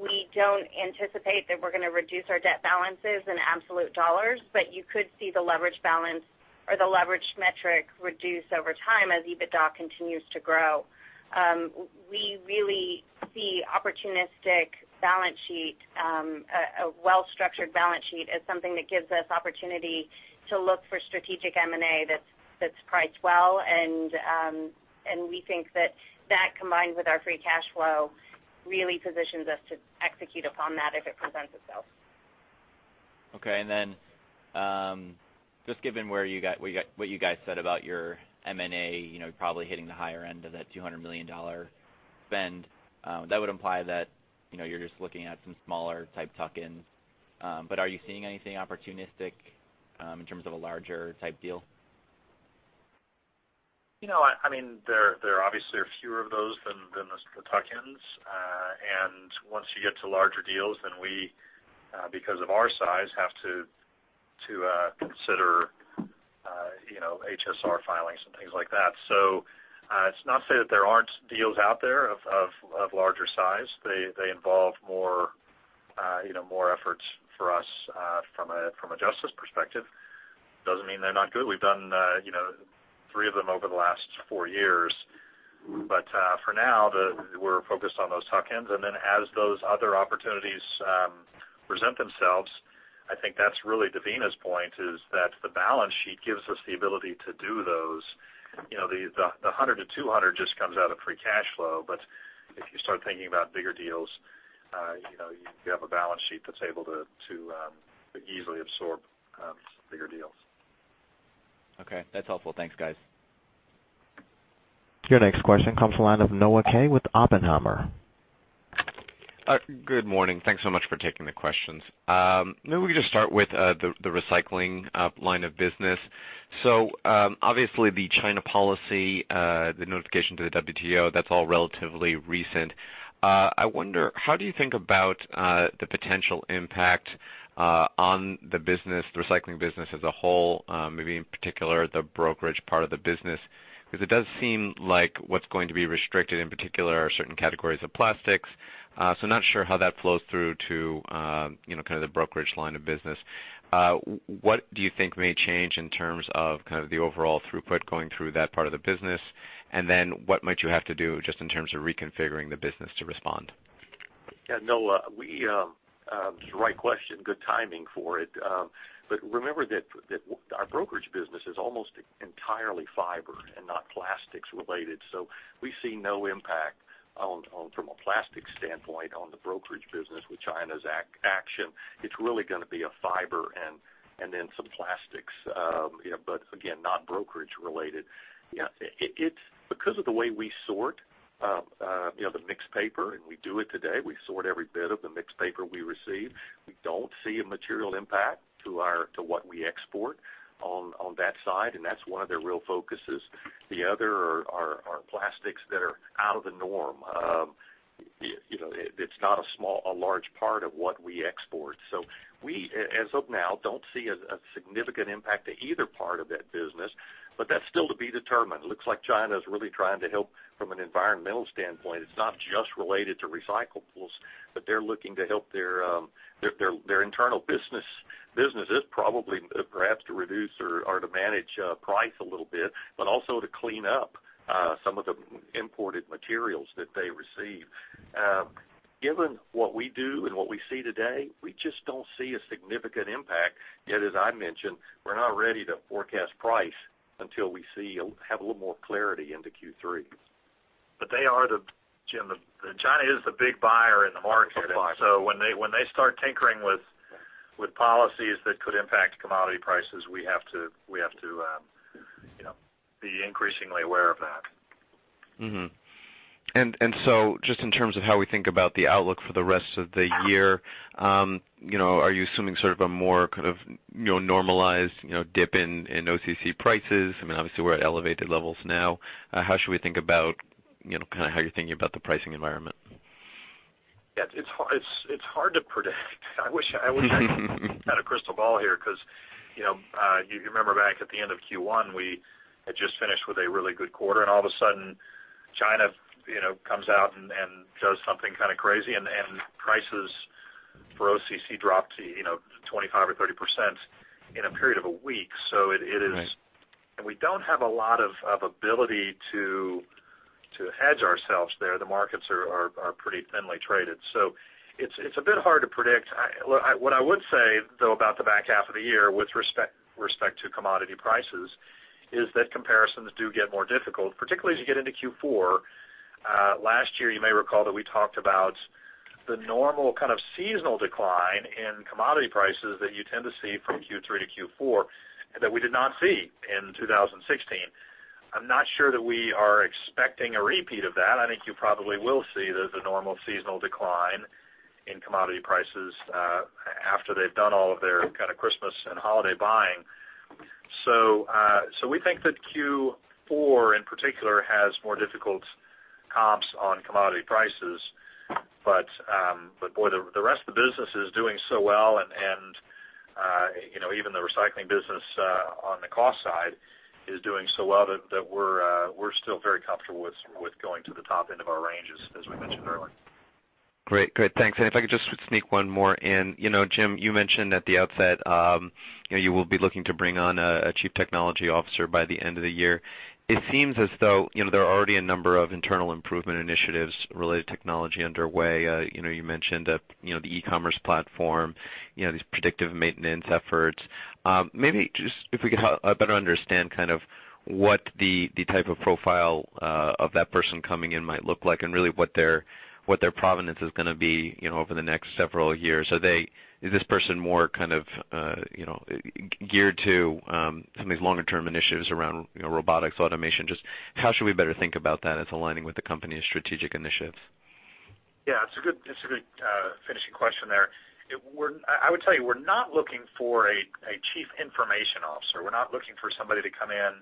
We don't anticipate that we're going to reduce our debt balances in absolute dollars, but you could see the leverage balance or the leverage metric reduce over time as EBITDA continues to grow. We really see opportunistic balance sheet, a well-structured balance sheet as something that gives us opportunity to look for strategic M&A that's priced well, and we think that that combined with our free cash flow really positions us to execute upon that if it presents itself. Just given what you guys said about your M&A, probably hitting the higher end of that $200 million spend, that would imply that you're just looking at some smaller type tuck-ins. Are you seeing anything opportunistic in terms of a larger type deal? There obviously are fewer of those than the tuck-ins. Once you get to larger deals, then we because of our size, have to consider HSR filings and things like that. It's not to say that there aren't deals out there of larger size. They involve more efforts for us from a justice perspective. Doesn't mean they're not good. We've done three of them over the last four years. For now, we're focused on those tuck-ins, and then as those other opportunities present themselves, I think that's really Devina's point is that the balance sheet gives us the ability to do those. The $100-$200 just comes out of free cash flow. If you start thinking about bigger deals, you have a balance sheet that's able to easily absorb bigger deals. Okay. That's helpful. Thanks, guys. Your next question comes to the line of Noah Kaye with Oppenheimer. Good morning. Thanks so much for taking the questions. Maybe we can just start with the recycling line of business. Obviously the China policy, the notification to the WTO, that's all relatively recent. I wonder, how do you think about the potential impact on the business, the recycling business as a whole, maybe in particular, the brokerage part of the business? Because it does seem like what's going to be restricted in particular are certain categories of plastics. Not sure how that flows through to the brokerage line of business. What do you think may change in terms of the overall throughput going through that part of the business? Then what might you have to do just in terms of reconfiguring the business to respond? Noah, it's the right question, good timing for it. Remember that our brokerage business is almost entirely fiber and not plastics related, so we see no impact from a plastics standpoint on the brokerage business with China's action. It's really going to be a fiber and then some plastics, but again, not brokerage related. Because of the way we sort the mixed paper, and we do it today, we sort every bit of the mixed paper we receive. We don't see a material impact to what we export on that side, and that's one of their real focuses. The other are plastics that are out of the norm. It's not a large part of what we export. We, as of now, don't see a significant impact to either part of that business, but that's still to be determined. It looks like China is really trying to help from an environmental standpoint. It's not just related to recyclables, but they're looking to help their internal businesses probably perhaps to reduce or to manage price a little bit, but also to clean up some of the imported materials that they receive. Given what we do and what we see today, we just don't see a significant impact, yet as I mentioned, we're not ready to forecast price until we have a little more clarity into Q3. Jim, China is the big buyer in the market. Of supply. When they start tinkering with policies that could impact commodity prices, we have to be increasingly aware of that. Just in terms of how we think about the outlook for the rest of the year, are you assuming sort of a more kind of normalized dip in OCC prices? I mean, obviously we're at elevated levels now. How should we think about kind of how you're thinking about the pricing environment? Yeah. It's hard to predict. I wish I had a crystal ball here because you remember back at the end of Q1, we had just finished with a really good quarter, and all of a sudden China comes out and does something kind of crazy, and prices for OCC dropped to 25% or 30% in a period of a week. Right. We don't have a lot of ability to hedge ourselves there. The markets are pretty thinly traded. It's a bit hard to predict. What I would say, though, about the back half of the year with respect to commodity prices is that comparisons do get more difficult, particularly as you get into Q4. Last year, you may recall that we talked about the normal kind of seasonal decline in commodity prices that you tend to see from Q3 to Q4, and that we did not see in 2016. I'm not sure that we are expecting a repeat of that. I think you probably will see the normal seasonal decline in commodity prices, after they've done all of their kind of Christmas and holiday buying. We think that Q4 in particular has more difficult comps on commodity prices. Boy, the rest of the business is doing so well, and even the recycling business on the cost side is doing so well that we're still very comfortable with going to the top end of our ranges, as we mentioned earlier. Great. Good. Thanks. If I could just sneak one more in. Jim, you mentioned at the outset you will be looking to bring on a Chief Technology Officer by the end of the year. It seems as though there are already a number of internal improvement initiatives related to technology underway. You mentioned the e-commerce platform, these predictive maintenance efforts. Maybe just if we could better understand kind of what the type of profile of that person coming in might look like, and really what their provenance is going to be over the next several years. Is this person more kind of geared to some of these longer-term initiatives around robotics, automation? Just how should we better think about that as aligning with the company's strategic initiatives? Yeah, it's a good finishing question there. I would tell you, we're not looking for a Chief Information Officer. We're not looking for somebody to come in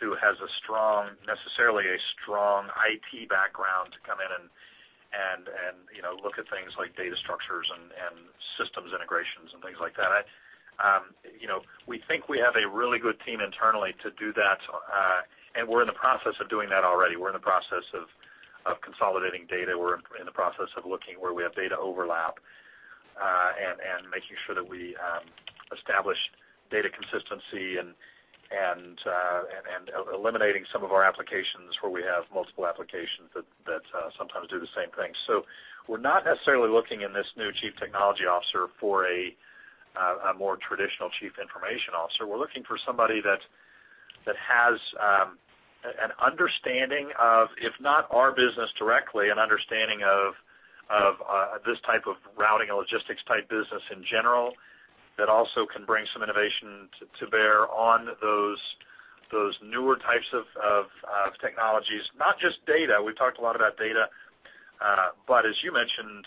who has necessarily a strong IT background to come in and look at things like data structures and systems integrations and things like that. We think we have a really good team internally to do that, and we're in the process of doing that already. We're in the process of consolidating data. We're in the process of looking where we have data overlap, and making sure that we establish data consistency, and eliminating some of our applications where we have multiple applications that sometimes do the same thing. We're not necessarily looking in this new Chief Technology Officer for a more traditional Chief Information Officer. We're looking for somebody that has an understanding of, if not our business directly, an understanding of this type of routing and logistics type business in general, that also can bring some innovation to bear on those newer types of technologies. Not just data, we've talked a lot about data, but as you mentioned,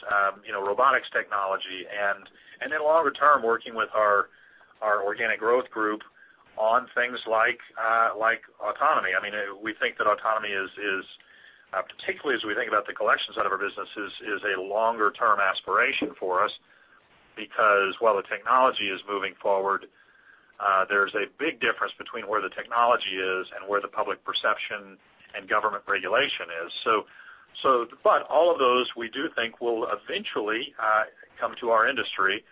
robotics technology and then longer term, working with our organic growth group on things like autonomy. We think that autonomy is, particularly as we think about the collections side of our business, is a longer-term aspiration for us because while the technology is moving forward, there's a big difference between where the technology is and where the public perception and government regulation is. All of those, we do think will eventually come to our industry.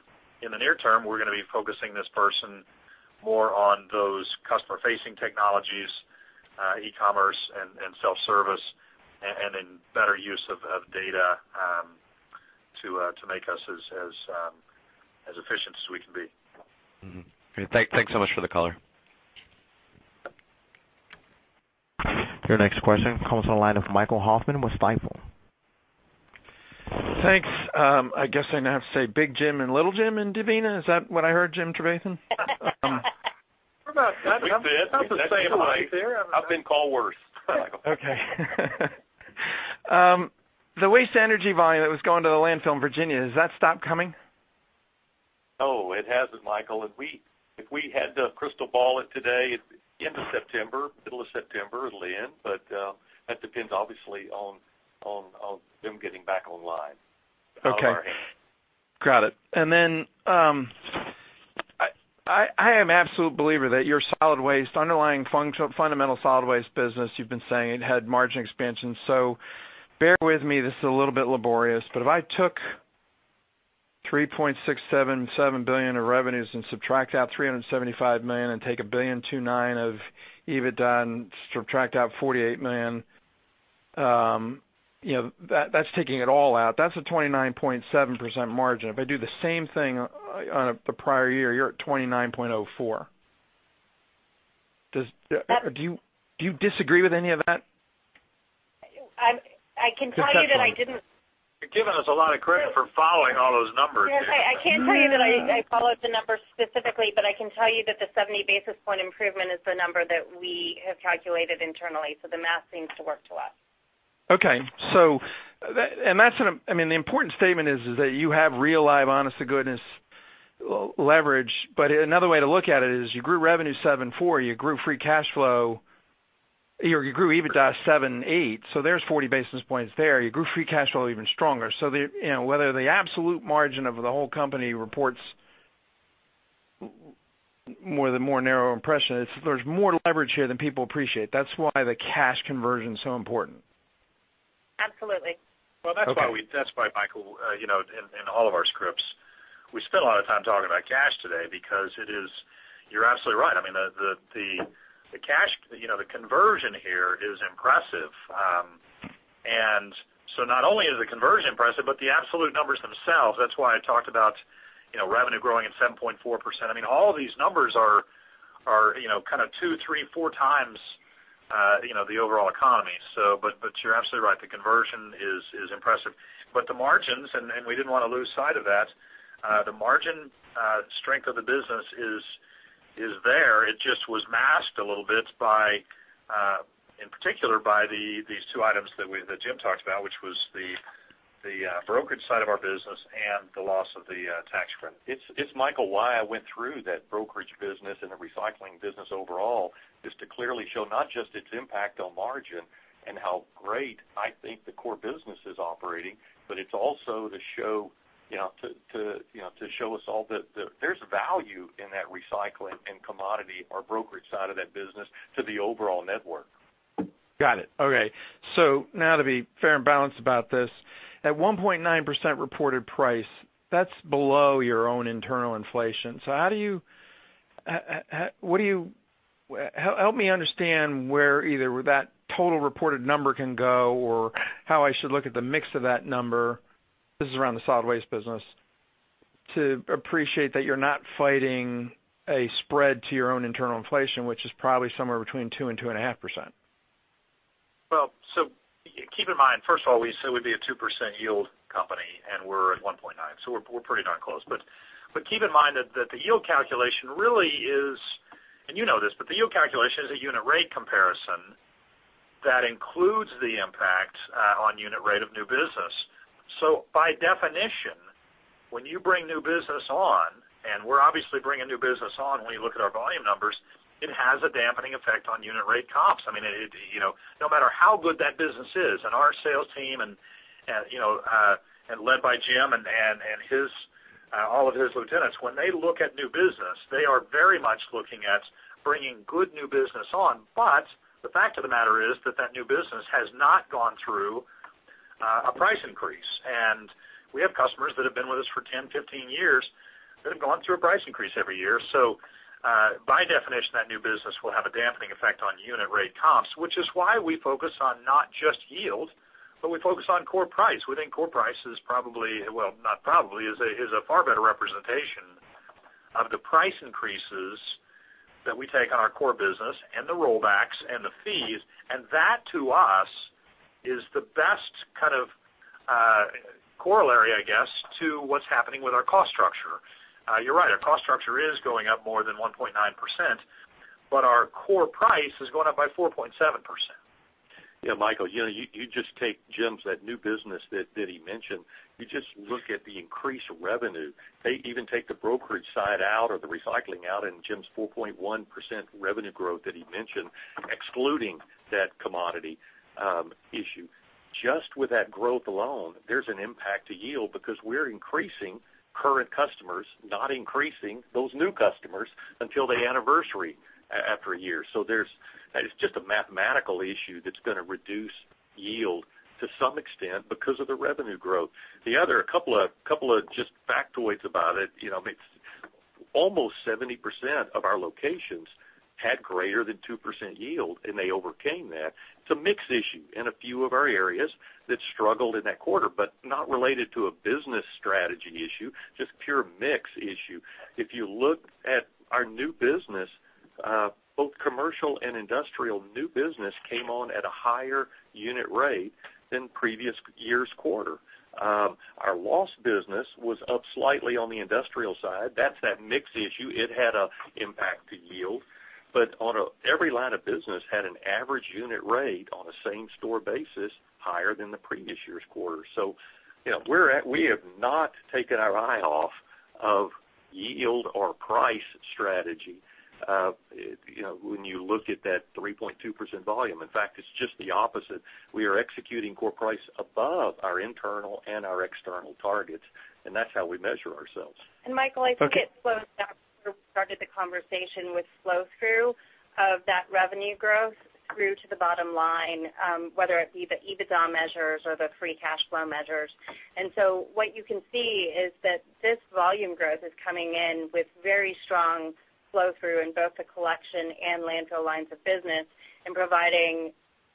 In the near term, we're going to be focusing this person more on those customer-facing technologies, e-commerce and self-service, and then better use of data to make us as efficient as we can be. Thanks so much for the color. Your next question comes on the line of Michael Hoffman with Stifel. Thanks. I guess I now have to say Big Jim and Little Jim and Devina. Is that what I heard, Jim Trevathan? We're about that. We could. About the same height there. I've been called worse, Michael. Okay. The waste-to-energy volume that was going to the landfill in Virginia, has that stopped coming? No, it hasn't, Michael. If we had to crystal ball it today, end of September, middle of September, it'll end, but that depends obviously on them getting back online. Okay. Got it. I am an absolute believer that your solid waste, underlying fundamental solid waste business, you've been saying it had margin expansion. Bear with me. This is a little bit laborious, but if I took $3.677 billion of revenues and subtract out $375 million and take $1.29 billion of EBITDA and subtract out $48 million, that's taking it all out. That's a 29.7% margin. If I do the same thing on the prior year, you're at 29.04%. Do you disagree with any of that? I can tell you that I didn't. You're giving us a lot of credit for following all those numbers. Yes, I can't tell you that I followed the numbers specifically, but I can tell you that the 70 basis point improvement is the number that we have calculated internally. The math seems to work to us. Okay. The important statement is that you have real, live, honest-to-goodness leverage. Another way to look at it is you grew revenue 7.4, you grew EBITDA 7.8. There's 40 basis points there. You grew free cash flow even stronger. Whether the absolute margin of the whole company reports more the more narrow impression, there's more leverage here than people appreciate. That's why the cash conversion is so important. Absolutely. Well, that's why, Michael, in all of our scripts, we spent a lot of time talking about cash today because you're absolutely right. The conversion here is impressive. Not only is the conversion impressive, but the absolute numbers themselves. That's why I talked about revenue growing at 7.4%. All these numbers are two, three, four times the overall economy. You're absolutely right, the conversion is impressive. The margins, and we didn't want to lose sight of that, the margin strength of the business is there. It just was masked a little bit, in particular, by these two items that Jim talked about, which was the brokerage side of our business and the loss of the tax credit. It's, Michael, why I went through that brokerage business and the recycling business overall is to clearly show not just its impact on margin and how great I think the core business is operating, but it's also to show us all that there's value in that recycling and commodity or brokerage side of that business to the overall network. Got it. Okay. Now to be fair and balanced about this, at 1.9% reported price, that's below your own internal inflation. Help me understand where either that total reported number can go or how I should look at the mix of that number, this is around the solid waste business, to appreciate that you're not fighting a spread to your own internal inflation, which is probably somewhere between 2%-2.5%. Well, keep in mind, first of all, we said we'd be a 2% yield company, and we're at 1.9%, we're pretty darn close. Keep in mind that the yield calculation really is, and you know this, the yield calculation is a unit rate comparison that includes the impact on unit rate of new business. By definition, when you bring new business on, and we're obviously bringing new business on when you look at our volume numbers, it has a dampening effect on unit rate comps. No matter how good that business is, and our sales team, led by Jim and all of his lieutenants, when they look at new business, they are very much looking at bringing good new business on. The fact of the matter is that that new business has not gone through a price increase. We have customers that have been with us for 10, 15 years that have gone through a price increase every year. By definition, that new business will have a dampening effect on unit rate comps, which is why we focus on not just yield, but we focus on core price. We think core price is a far better representation of the price increases that we take on our core business and the rollbacks and the fees, that to us is the best kind of corollary, I guess, to what's happening with our cost structure. You're right, our cost structure is going up more than 1.9%, but our core price is going up by 4.7%. Michael, you just take Jim's new business that he mentioned. You just look at the increased revenue. Even take the brokerage side out or the recycling out and Jim's 4.1% revenue growth that he mentioned, excluding that commodity issue. Just with that growth alone, there's an impact to yield because we're increasing current customers, not increasing those new customers until they anniversary after a year. It's just a mathematical issue that's going to reduce yield to some extent because of the revenue growth. The other couple of just factoids about it, almost 70% of our locations had greater than 2% yield, and they overcame that. It's a mix issue in a few of our areas that struggled in that quarter, but not related to a business strategy issue, just pure mix issue. If you look at our new business, both commercial and industrial new business came on at a higher unit rate than previous year's quarter. Our lost business was up slightly on the industrial side. That's that mix issue. It had an impact to yield. Every line of business had an average unit rate on a same-store basis higher than the previous year's quarter. We have not taken our eye off of yield or price strategy when you look at that 3.2% volume. In fact, it's just the opposite. We are executing core price above our internal and our external targets, and that's how we measure ourselves. Michael, I think it flows back to where we started the conversation with flow-through of that revenue growth through to the bottom line, whether it be the EBITDA measures or the free cash flow measures. What you can see is that this volume growth is coming in with very strong flow-through in both the collection and landfill lines of business and providing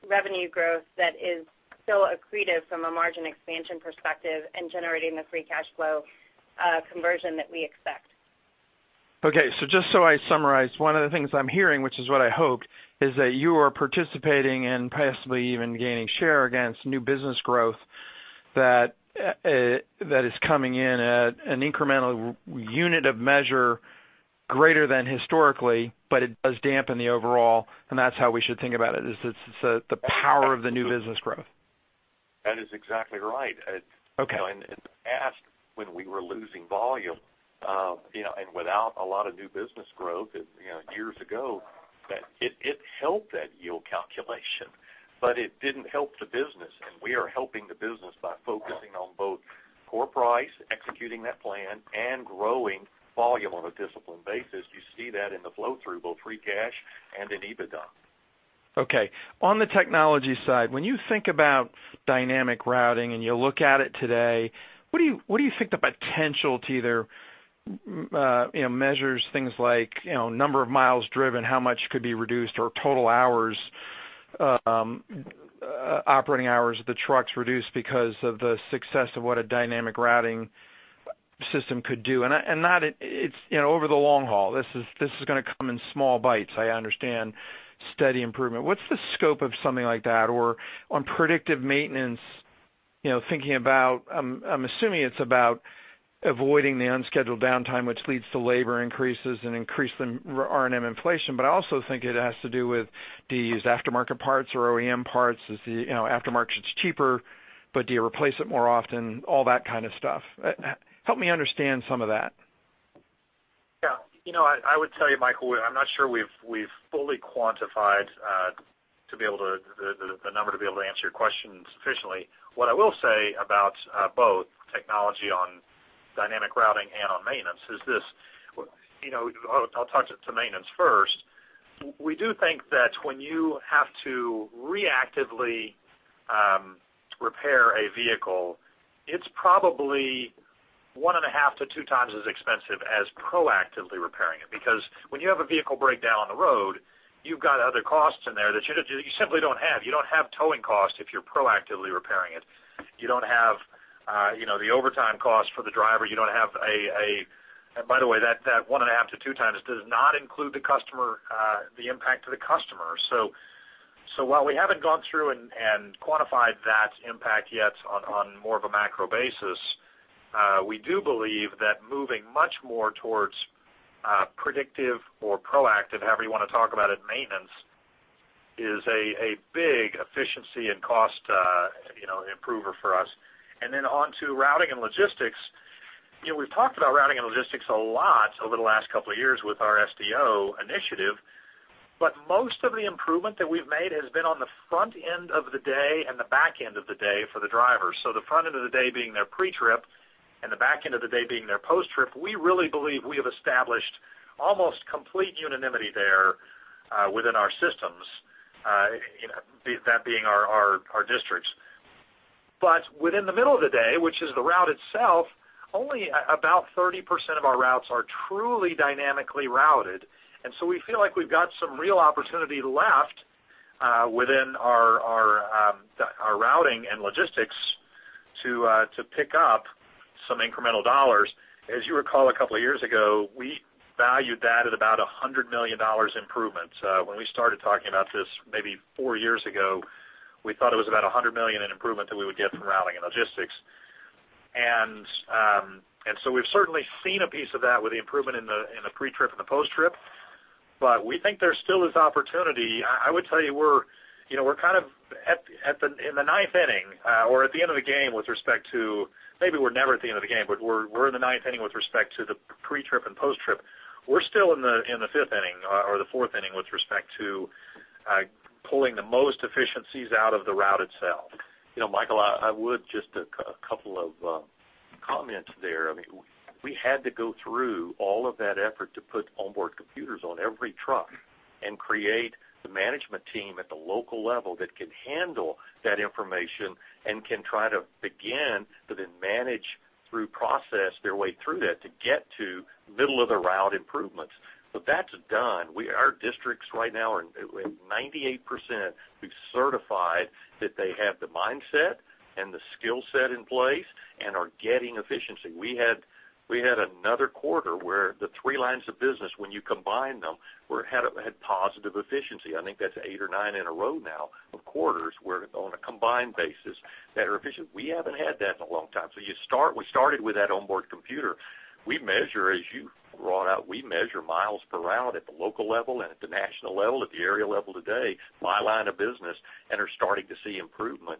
revenue growth that is still accretive from a margin expansion perspective and generating the free cash flow conversion that we expect. Okay. Just so I summarize, one of the things I'm hearing, which is what I hoped, is that you are participating and possibly even gaining share against new business growth that is coming in at an incremental unit of measure greater than historically, but it does dampen the overall, and that's how we should think about it, is it's the power of the new business growth. That is exactly right. Okay. In the past, when we were losing volume, without a lot of new business growth years ago, that it helped that yield calculation, but it didn't help the business. We are helping the business by focusing on both core price, executing that plan, and growing volume on a disciplined basis. You see that in the flow-through, both free cash and in EBITDA. Okay. On the technology side, when you think about dynamic routing and you look at it today, what do you think the potential to either measures things like number of miles driven, how much could be reduced, or total hours, operating hours of the trucks reduced because of the success of what a dynamic routing system could do? Not, it's over the long haul. This is going to come in small bites, I understand, steady improvement. What's the scope of something like that? Or on predictive maintenance, thinking about, I'm assuming it's about avoiding the unscheduled downtime, which leads to labor increases and increase in R&M inflation. I also think it has to do with, do you use aftermarket parts or OEM parts? Aftermarket's cheaper, but do you replace it more often? All that kind of stuff. Help me understand some of that. Yeah. I would tell you, Michael, I'm not sure we've fully quantified the number to be able to answer your question sufficiently. What I will say about both technology on dynamic routing and on maintenance is this. I'll talk to maintenance first. We do think that when you have to reactively repair a vehicle, it's probably one and a half to two times as expensive as proactively repairing it, because when you have a vehicle break down on the road, you've got other costs in there that you simply don't have. You don't have towing costs if you're proactively repairing it. You don't have the overtime cost for the driver. By the way, that one and a half to two times does not include the impact to the customer. While we haven't gone through and quantified that impact yet on more of a macro basis, we do believe that moving much more towards predictive or proactive, however you want to talk about it, maintenance is a big efficiency and cost improver for us. Then on to routing and logistics. We've talked about routing and logistics a lot over the last couple of years with our SDO initiative, but most of the improvement that we've made has been on the front end of the day and the back end of the day for the drivers. The front end of the day being their pre-trip and the back end of the day being their post-trip. We really believe we have established almost complete unanimity there within our systems, that being our districts. Within the middle of the day, which is the route itself, only about 30% of our routes are truly dynamically routed. We feel like we've got some real opportunity left within our routing and logistics to pick up some incremental dollars. As you recall, a couple of years ago, we valued that at about $100 million improvement. When we started talking about this maybe four years ago, we thought it was about $100 million in improvement that we would get from routing and logistics. We've certainly seen a piece of that with the improvement in the pre-trip and the post-trip, but we think there still is opportunity. I would tell you we're kind of in the ninth inning or at the end of the game with respect to, maybe we're never at the end of the game, but we're in the ninth inning with respect to the pre-trip and post-trip. We're still in the fifth inning or the fourth inning with respect to pulling the most efficiencies out of the route itself. Michael, I would just a couple of comments there. We had to go through all of that effort to put onboard computers on every truck and create the management team at the local level that can handle that information and can try to begin to then manage through process their way through that to get to middle of the route improvements. That's done. Our districts right now are in 98%, we've certified that they have the mindset and the skillset in place and are getting efficiency. We had another quarter where the three lines of business, when you combine them, had positive efficiency. I think that's eight or nine in a row now of quarters where on a combined basis that are efficient. We haven't had that in a long time. We started with that onboard computer. We measure, as you brought out, we measure miles per route at the local level and at the national level, at the area level today, my line of business, and are starting to see improvement.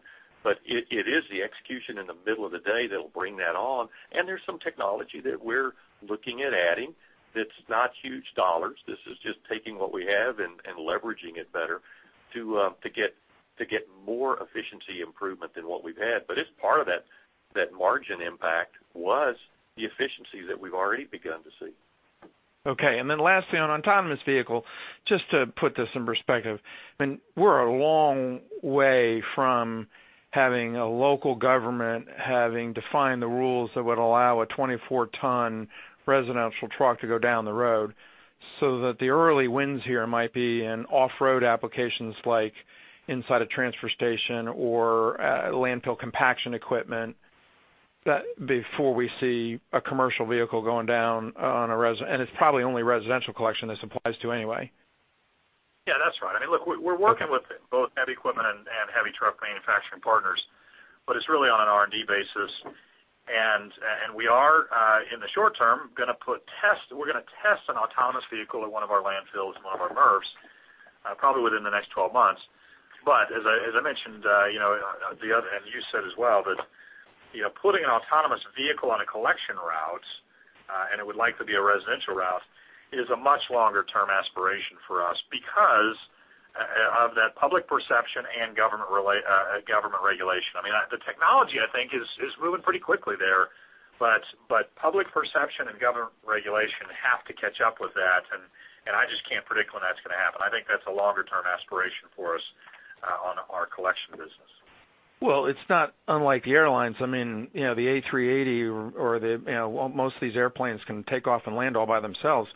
It is the execution in the middle of the day that'll bring that on. There's some technology that we're looking at adding that's not huge dollars. This is just taking what we have and leveraging it better to get more efficiency improvement than what we've had. It's part of that margin impact was the efficiency that we've already begun to see. Okay, last thing on autonomous vehicle, just to put this in perspective, we're a long way from having a local government having defined the rules that would allow a 24-ton residential truck to go down the road. The early wins here might be in off-road applications like inside a transfer station or landfill compaction equipment before we see a commercial vehicle going down. It's probably only residential collection this applies to anyway. Yeah, that's right. We're working with both heavy equipment and heavy truck manufacturing partners, it's really on an R&D basis. We are, in the short term, going to test an autonomous vehicle at one of our landfills, one of our MRFs, probably within the next 12 months. As I mentioned, and you said as well, that putting an autonomous vehicle on a collection route, and it would like to be a residential route, is a much longer-term aspiration for us because of that public perception and government regulation. The technology, I think, is moving pretty quickly there. Public perception and government regulation have to catch up with that, I just can't predict when that's going to happen. I think that's a longer-term aspiration for us on our collection business. It's not unlike the airlines. The A380 or most of these airplanes can take off and land all by themselves.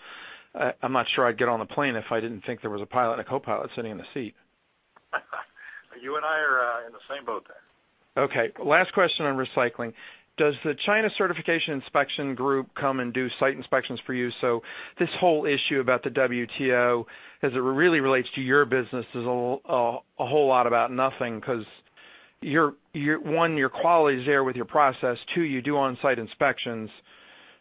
I'm not sure I'd get on a plane if I didn't think there was a pilot and a co-pilot sitting in the seat. You and I are in the same boat there. Last question on recycling. Does the China Certification & Inspection Group come and do site inspections for you? This whole issue about the WTO, as it really relates to your business, is a whole lot about nothing because, one, your quality is there with your process, two, you do on-site inspections,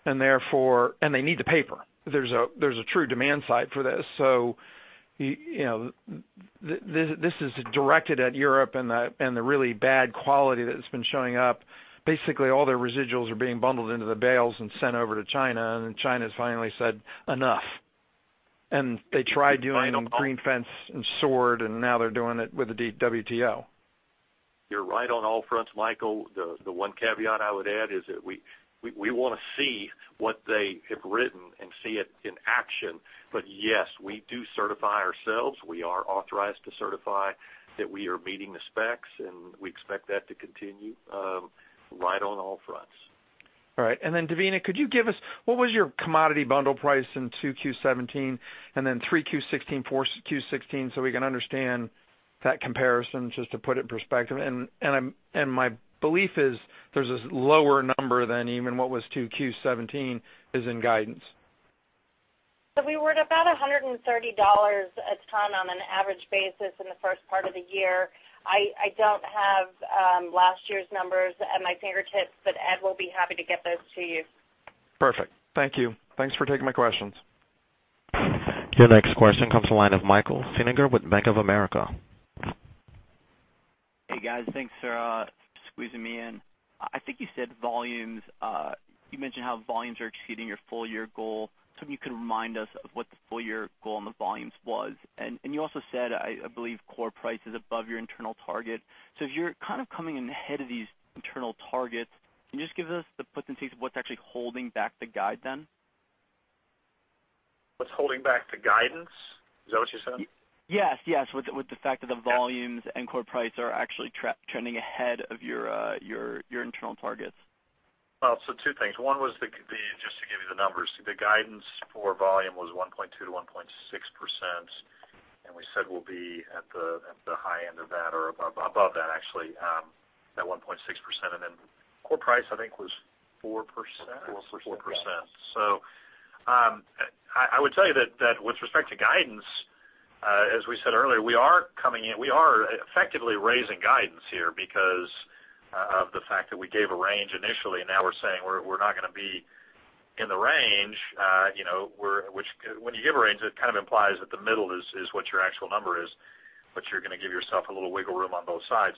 and they need the paper. There's a true demand side for this. This is directed at Europe and the really bad quality that's been showing up. Basically, all their residuals are being bundled into the bales and sent over to China, and then China's finally said, "Enough." They tried doing Green Fence and Sword, and now they're doing it with the WTO. You're right on all fronts, Michael. The one caveat I would add is that we want to see what they have written and see it in action. Yes, we do certify ourselves. We are authorized to certify that we are meeting the specs, and we expect that to continue. Right on all fronts. All right. Then, Devina, could you give us what was your commodity bundle price in 2Q17 and then 3Q16, 4Q16, so we can understand that comparison, just to put it in perspective? My belief is there's this lower number than even what was 2Q17 is in guidance. We were at about $130 a ton on an average basis in the first part of the year. I don't have last year's numbers at my fingertips, but Ed will be happy to get those to you. Perfect. Thank you. Thanks for taking my questions. Your next question comes from the line of Michael Feniger with Bank of America. Hey, guys. Thanks for squeezing me in. I think you mentioned how volumes are exceeding your full-year goal. If you could remind us of what the full-year goal on the volumes was. You also said, I believe, core price is above your internal target. If you're kind of coming in ahead of these internal targets, can you just give us the puts and takes of what's actually holding back the guide then? What's holding back the guidance? Is that what you said? Yes. With the fact that the volumes and core price are actually trending ahead of your internal targets. Well, two things. One was just to give you the numbers. The guidance for volume was 1.2%-1.6%, we said we'll be at the high end of that or above that, actually, that 1.6%. Core price, I think, was 4%? 4%. 4%. I would tell you that with respect to guidance, as we said earlier, we are effectively raising guidance here because of the fact that we gave a range initially, now we're saying we're not going to be in the range. When you give a range, it kind of implies that the middle is what your actual number is, you're going to give yourself a little wiggle room on both sides.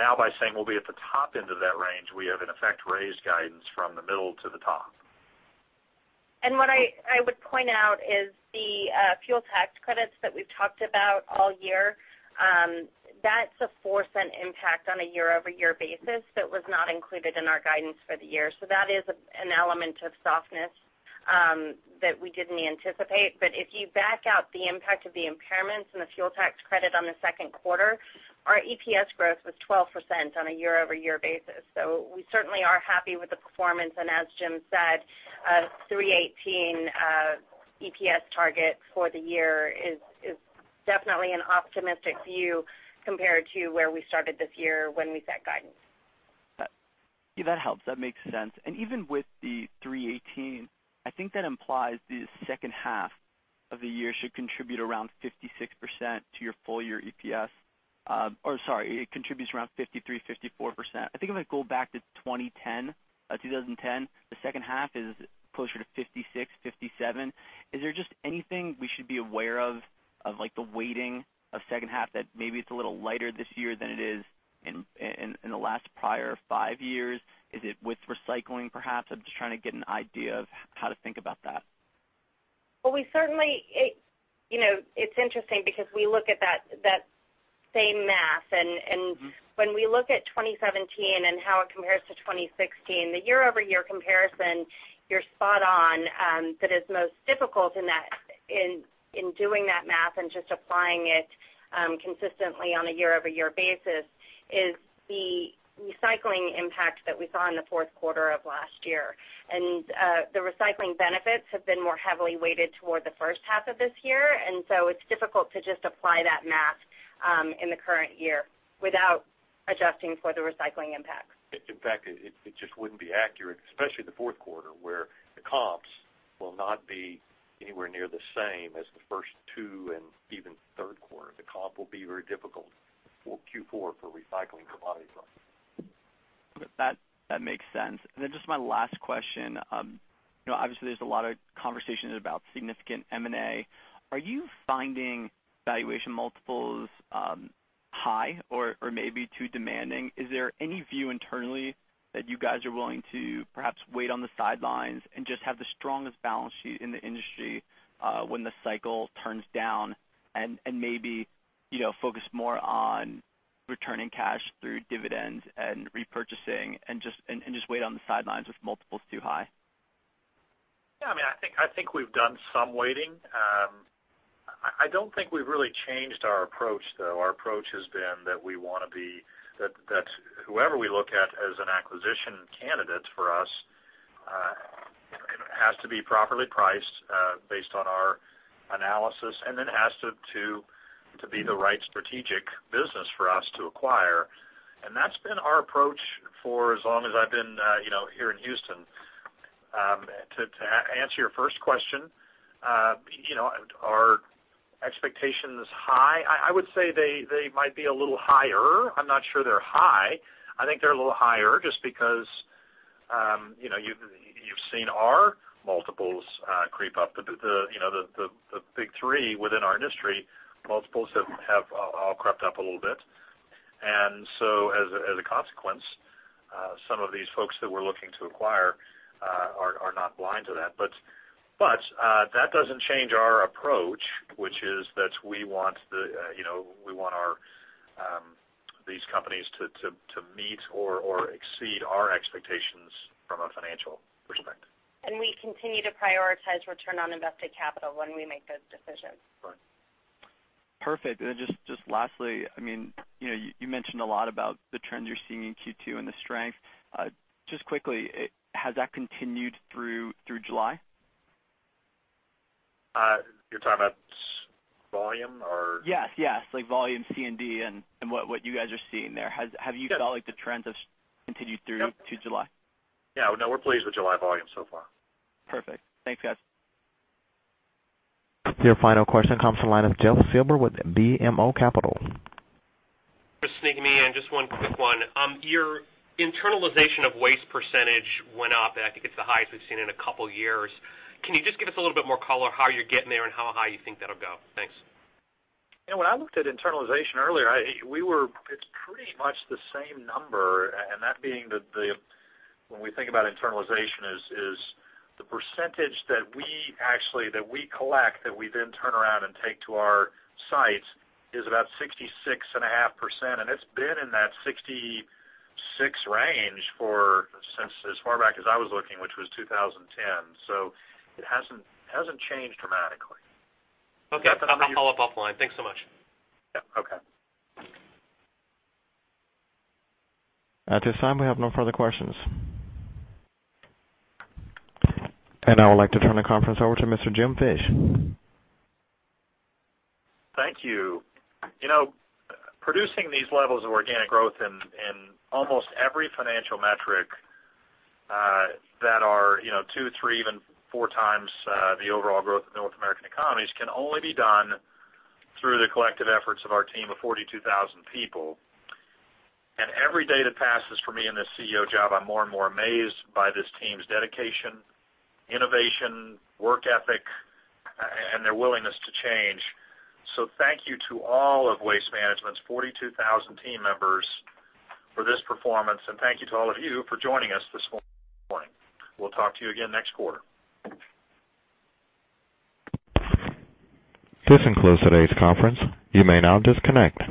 By saying we'll be at the top end of that range, we have in effect raised guidance from the middle to the top. What I would point out is the fuel tax credits that we've talked about all year. That's a $0.04 impact on a year-over-year basis that was not included in our guidance for the year. That is an element of softness that we didn't anticipate. If you back out the impact of the impairments and the fuel tax credit on the second quarter, our EPS growth was 12% on a year-over-year basis. We certainly are happy with the performance. As Jim said, a $3.18 EPS target for the year is definitely an optimistic view compared to where we started this year when we set guidance. Yeah, that helps. That makes sense. Even with the $3.18, I think that implies the second half of the year should contribute around 56% to your full-year EPS. Sorry, it contributes around 53%, 54%. I think if I go back to 2010, the second half is closer to 56%, 57%. Is there just anything we should be aware of like the weighting of second half that maybe it's a little lighter this year than it is in the last prior five years? Is it with recycling, perhaps? I'm just trying to get an idea of how to think about that. It's interesting because we look at that same math, when we look at 2017 and how it compares to 2016, the year-over-year comparison, you're spot on. That is most difficult in doing that math and just applying it consistently on a year-over-year basis is the recycling impact that we saw in the fourth quarter of last year. The recycling benefits have been more heavily weighted toward the first half of this year, it's difficult to just apply that math in the current year without adjusting for the recycling impact. It just wouldn't be accurate, especially the fourth quarter, where the comps will not be anywhere near the same as the first 2 and even third quarter. The comp will be very difficult for Q4 for recycling commodity prices. Then just my last question. Obviously, there's a lot of conversations about significant M&A. Are you finding valuation multiples high or maybe too demanding? Is there any view internally that you guys are willing to perhaps wait on the sidelines and just have the strongest balance sheet in the industry, when the cycle turns down and maybe focus more on returning cash through dividends and repurchasing and just wait on the sidelines if multiple's too high? I think we've done some waiting. I don't think we've really changed our approach, though. Our approach has been that whoever we look at as an acquisition candidate for us, has to be properly priced, based on our analysis, and then has to be the right strategic business for us to acquire. That's been our approach for as long as I've been here in Houston. To answer your first question, are expectations high? I would say they might be a little higher. I'm not sure they're high. I think they're a little higher just because you've seen our multiples creep up. The big three within our industry, multiples have all crept up a little bit. As a consequence, some of these folks that we're looking to acquire are not blind to that. That doesn't change our approach, which is that we want these companies to meet or exceed our expectations from a financial perspective. We continue to prioritize return on invested capital when we make those decisions. Right. Perfect. Just lastly, you mentioned a lot about the trends you're seeing in Q2 and the strength. Just quickly, has that continued through July? You're talking about volume? Yes. Like volume C&D and what you guys are seeing there. Have you felt like the trends have continued through to July? Yeah, we're pleased with July volume so far. Perfect. Thanks, guys. Your final question comes from the line of Jeff Silber with BMO Capital. Just sneaking me in, just one quick one. Your internalization of waste percentage went up, and I think it's the highest we've seen in a couple of years. Can you just give us a little bit more color how you're getting there and how high you think that'll go? Thanks. When I looked at internalization earlier, it's pretty much the same number, and that being that when we think about internalization is the % that we collect, that we then turn around and take to our sites is about 66.5%, and it's been in that 66 range since as far back as I was looking, which was 2010. It hasn't changed dramatically. Okay. I'll follow up offline. Thanks so much. Yeah, okay. At this time, we have no further questions. I would like to turn the conference over to Mr. Jim Fish. Thank you. Producing these levels of organic growth in almost every financial metric, that are two, three, even four times the overall growth of the North American economies can only be done through the collective efforts of our team of 42,000 people. Every day that passes for me in this CEO job, I'm more and more amazed by this team's dedication, innovation, work ethic, and their willingness to change. Thank you to all of Waste Management's 42,000 team members for this performance, and thank you to all of you for joining us this morning. We'll talk to you again next quarter. This concludes today's conference. You may now disconnect.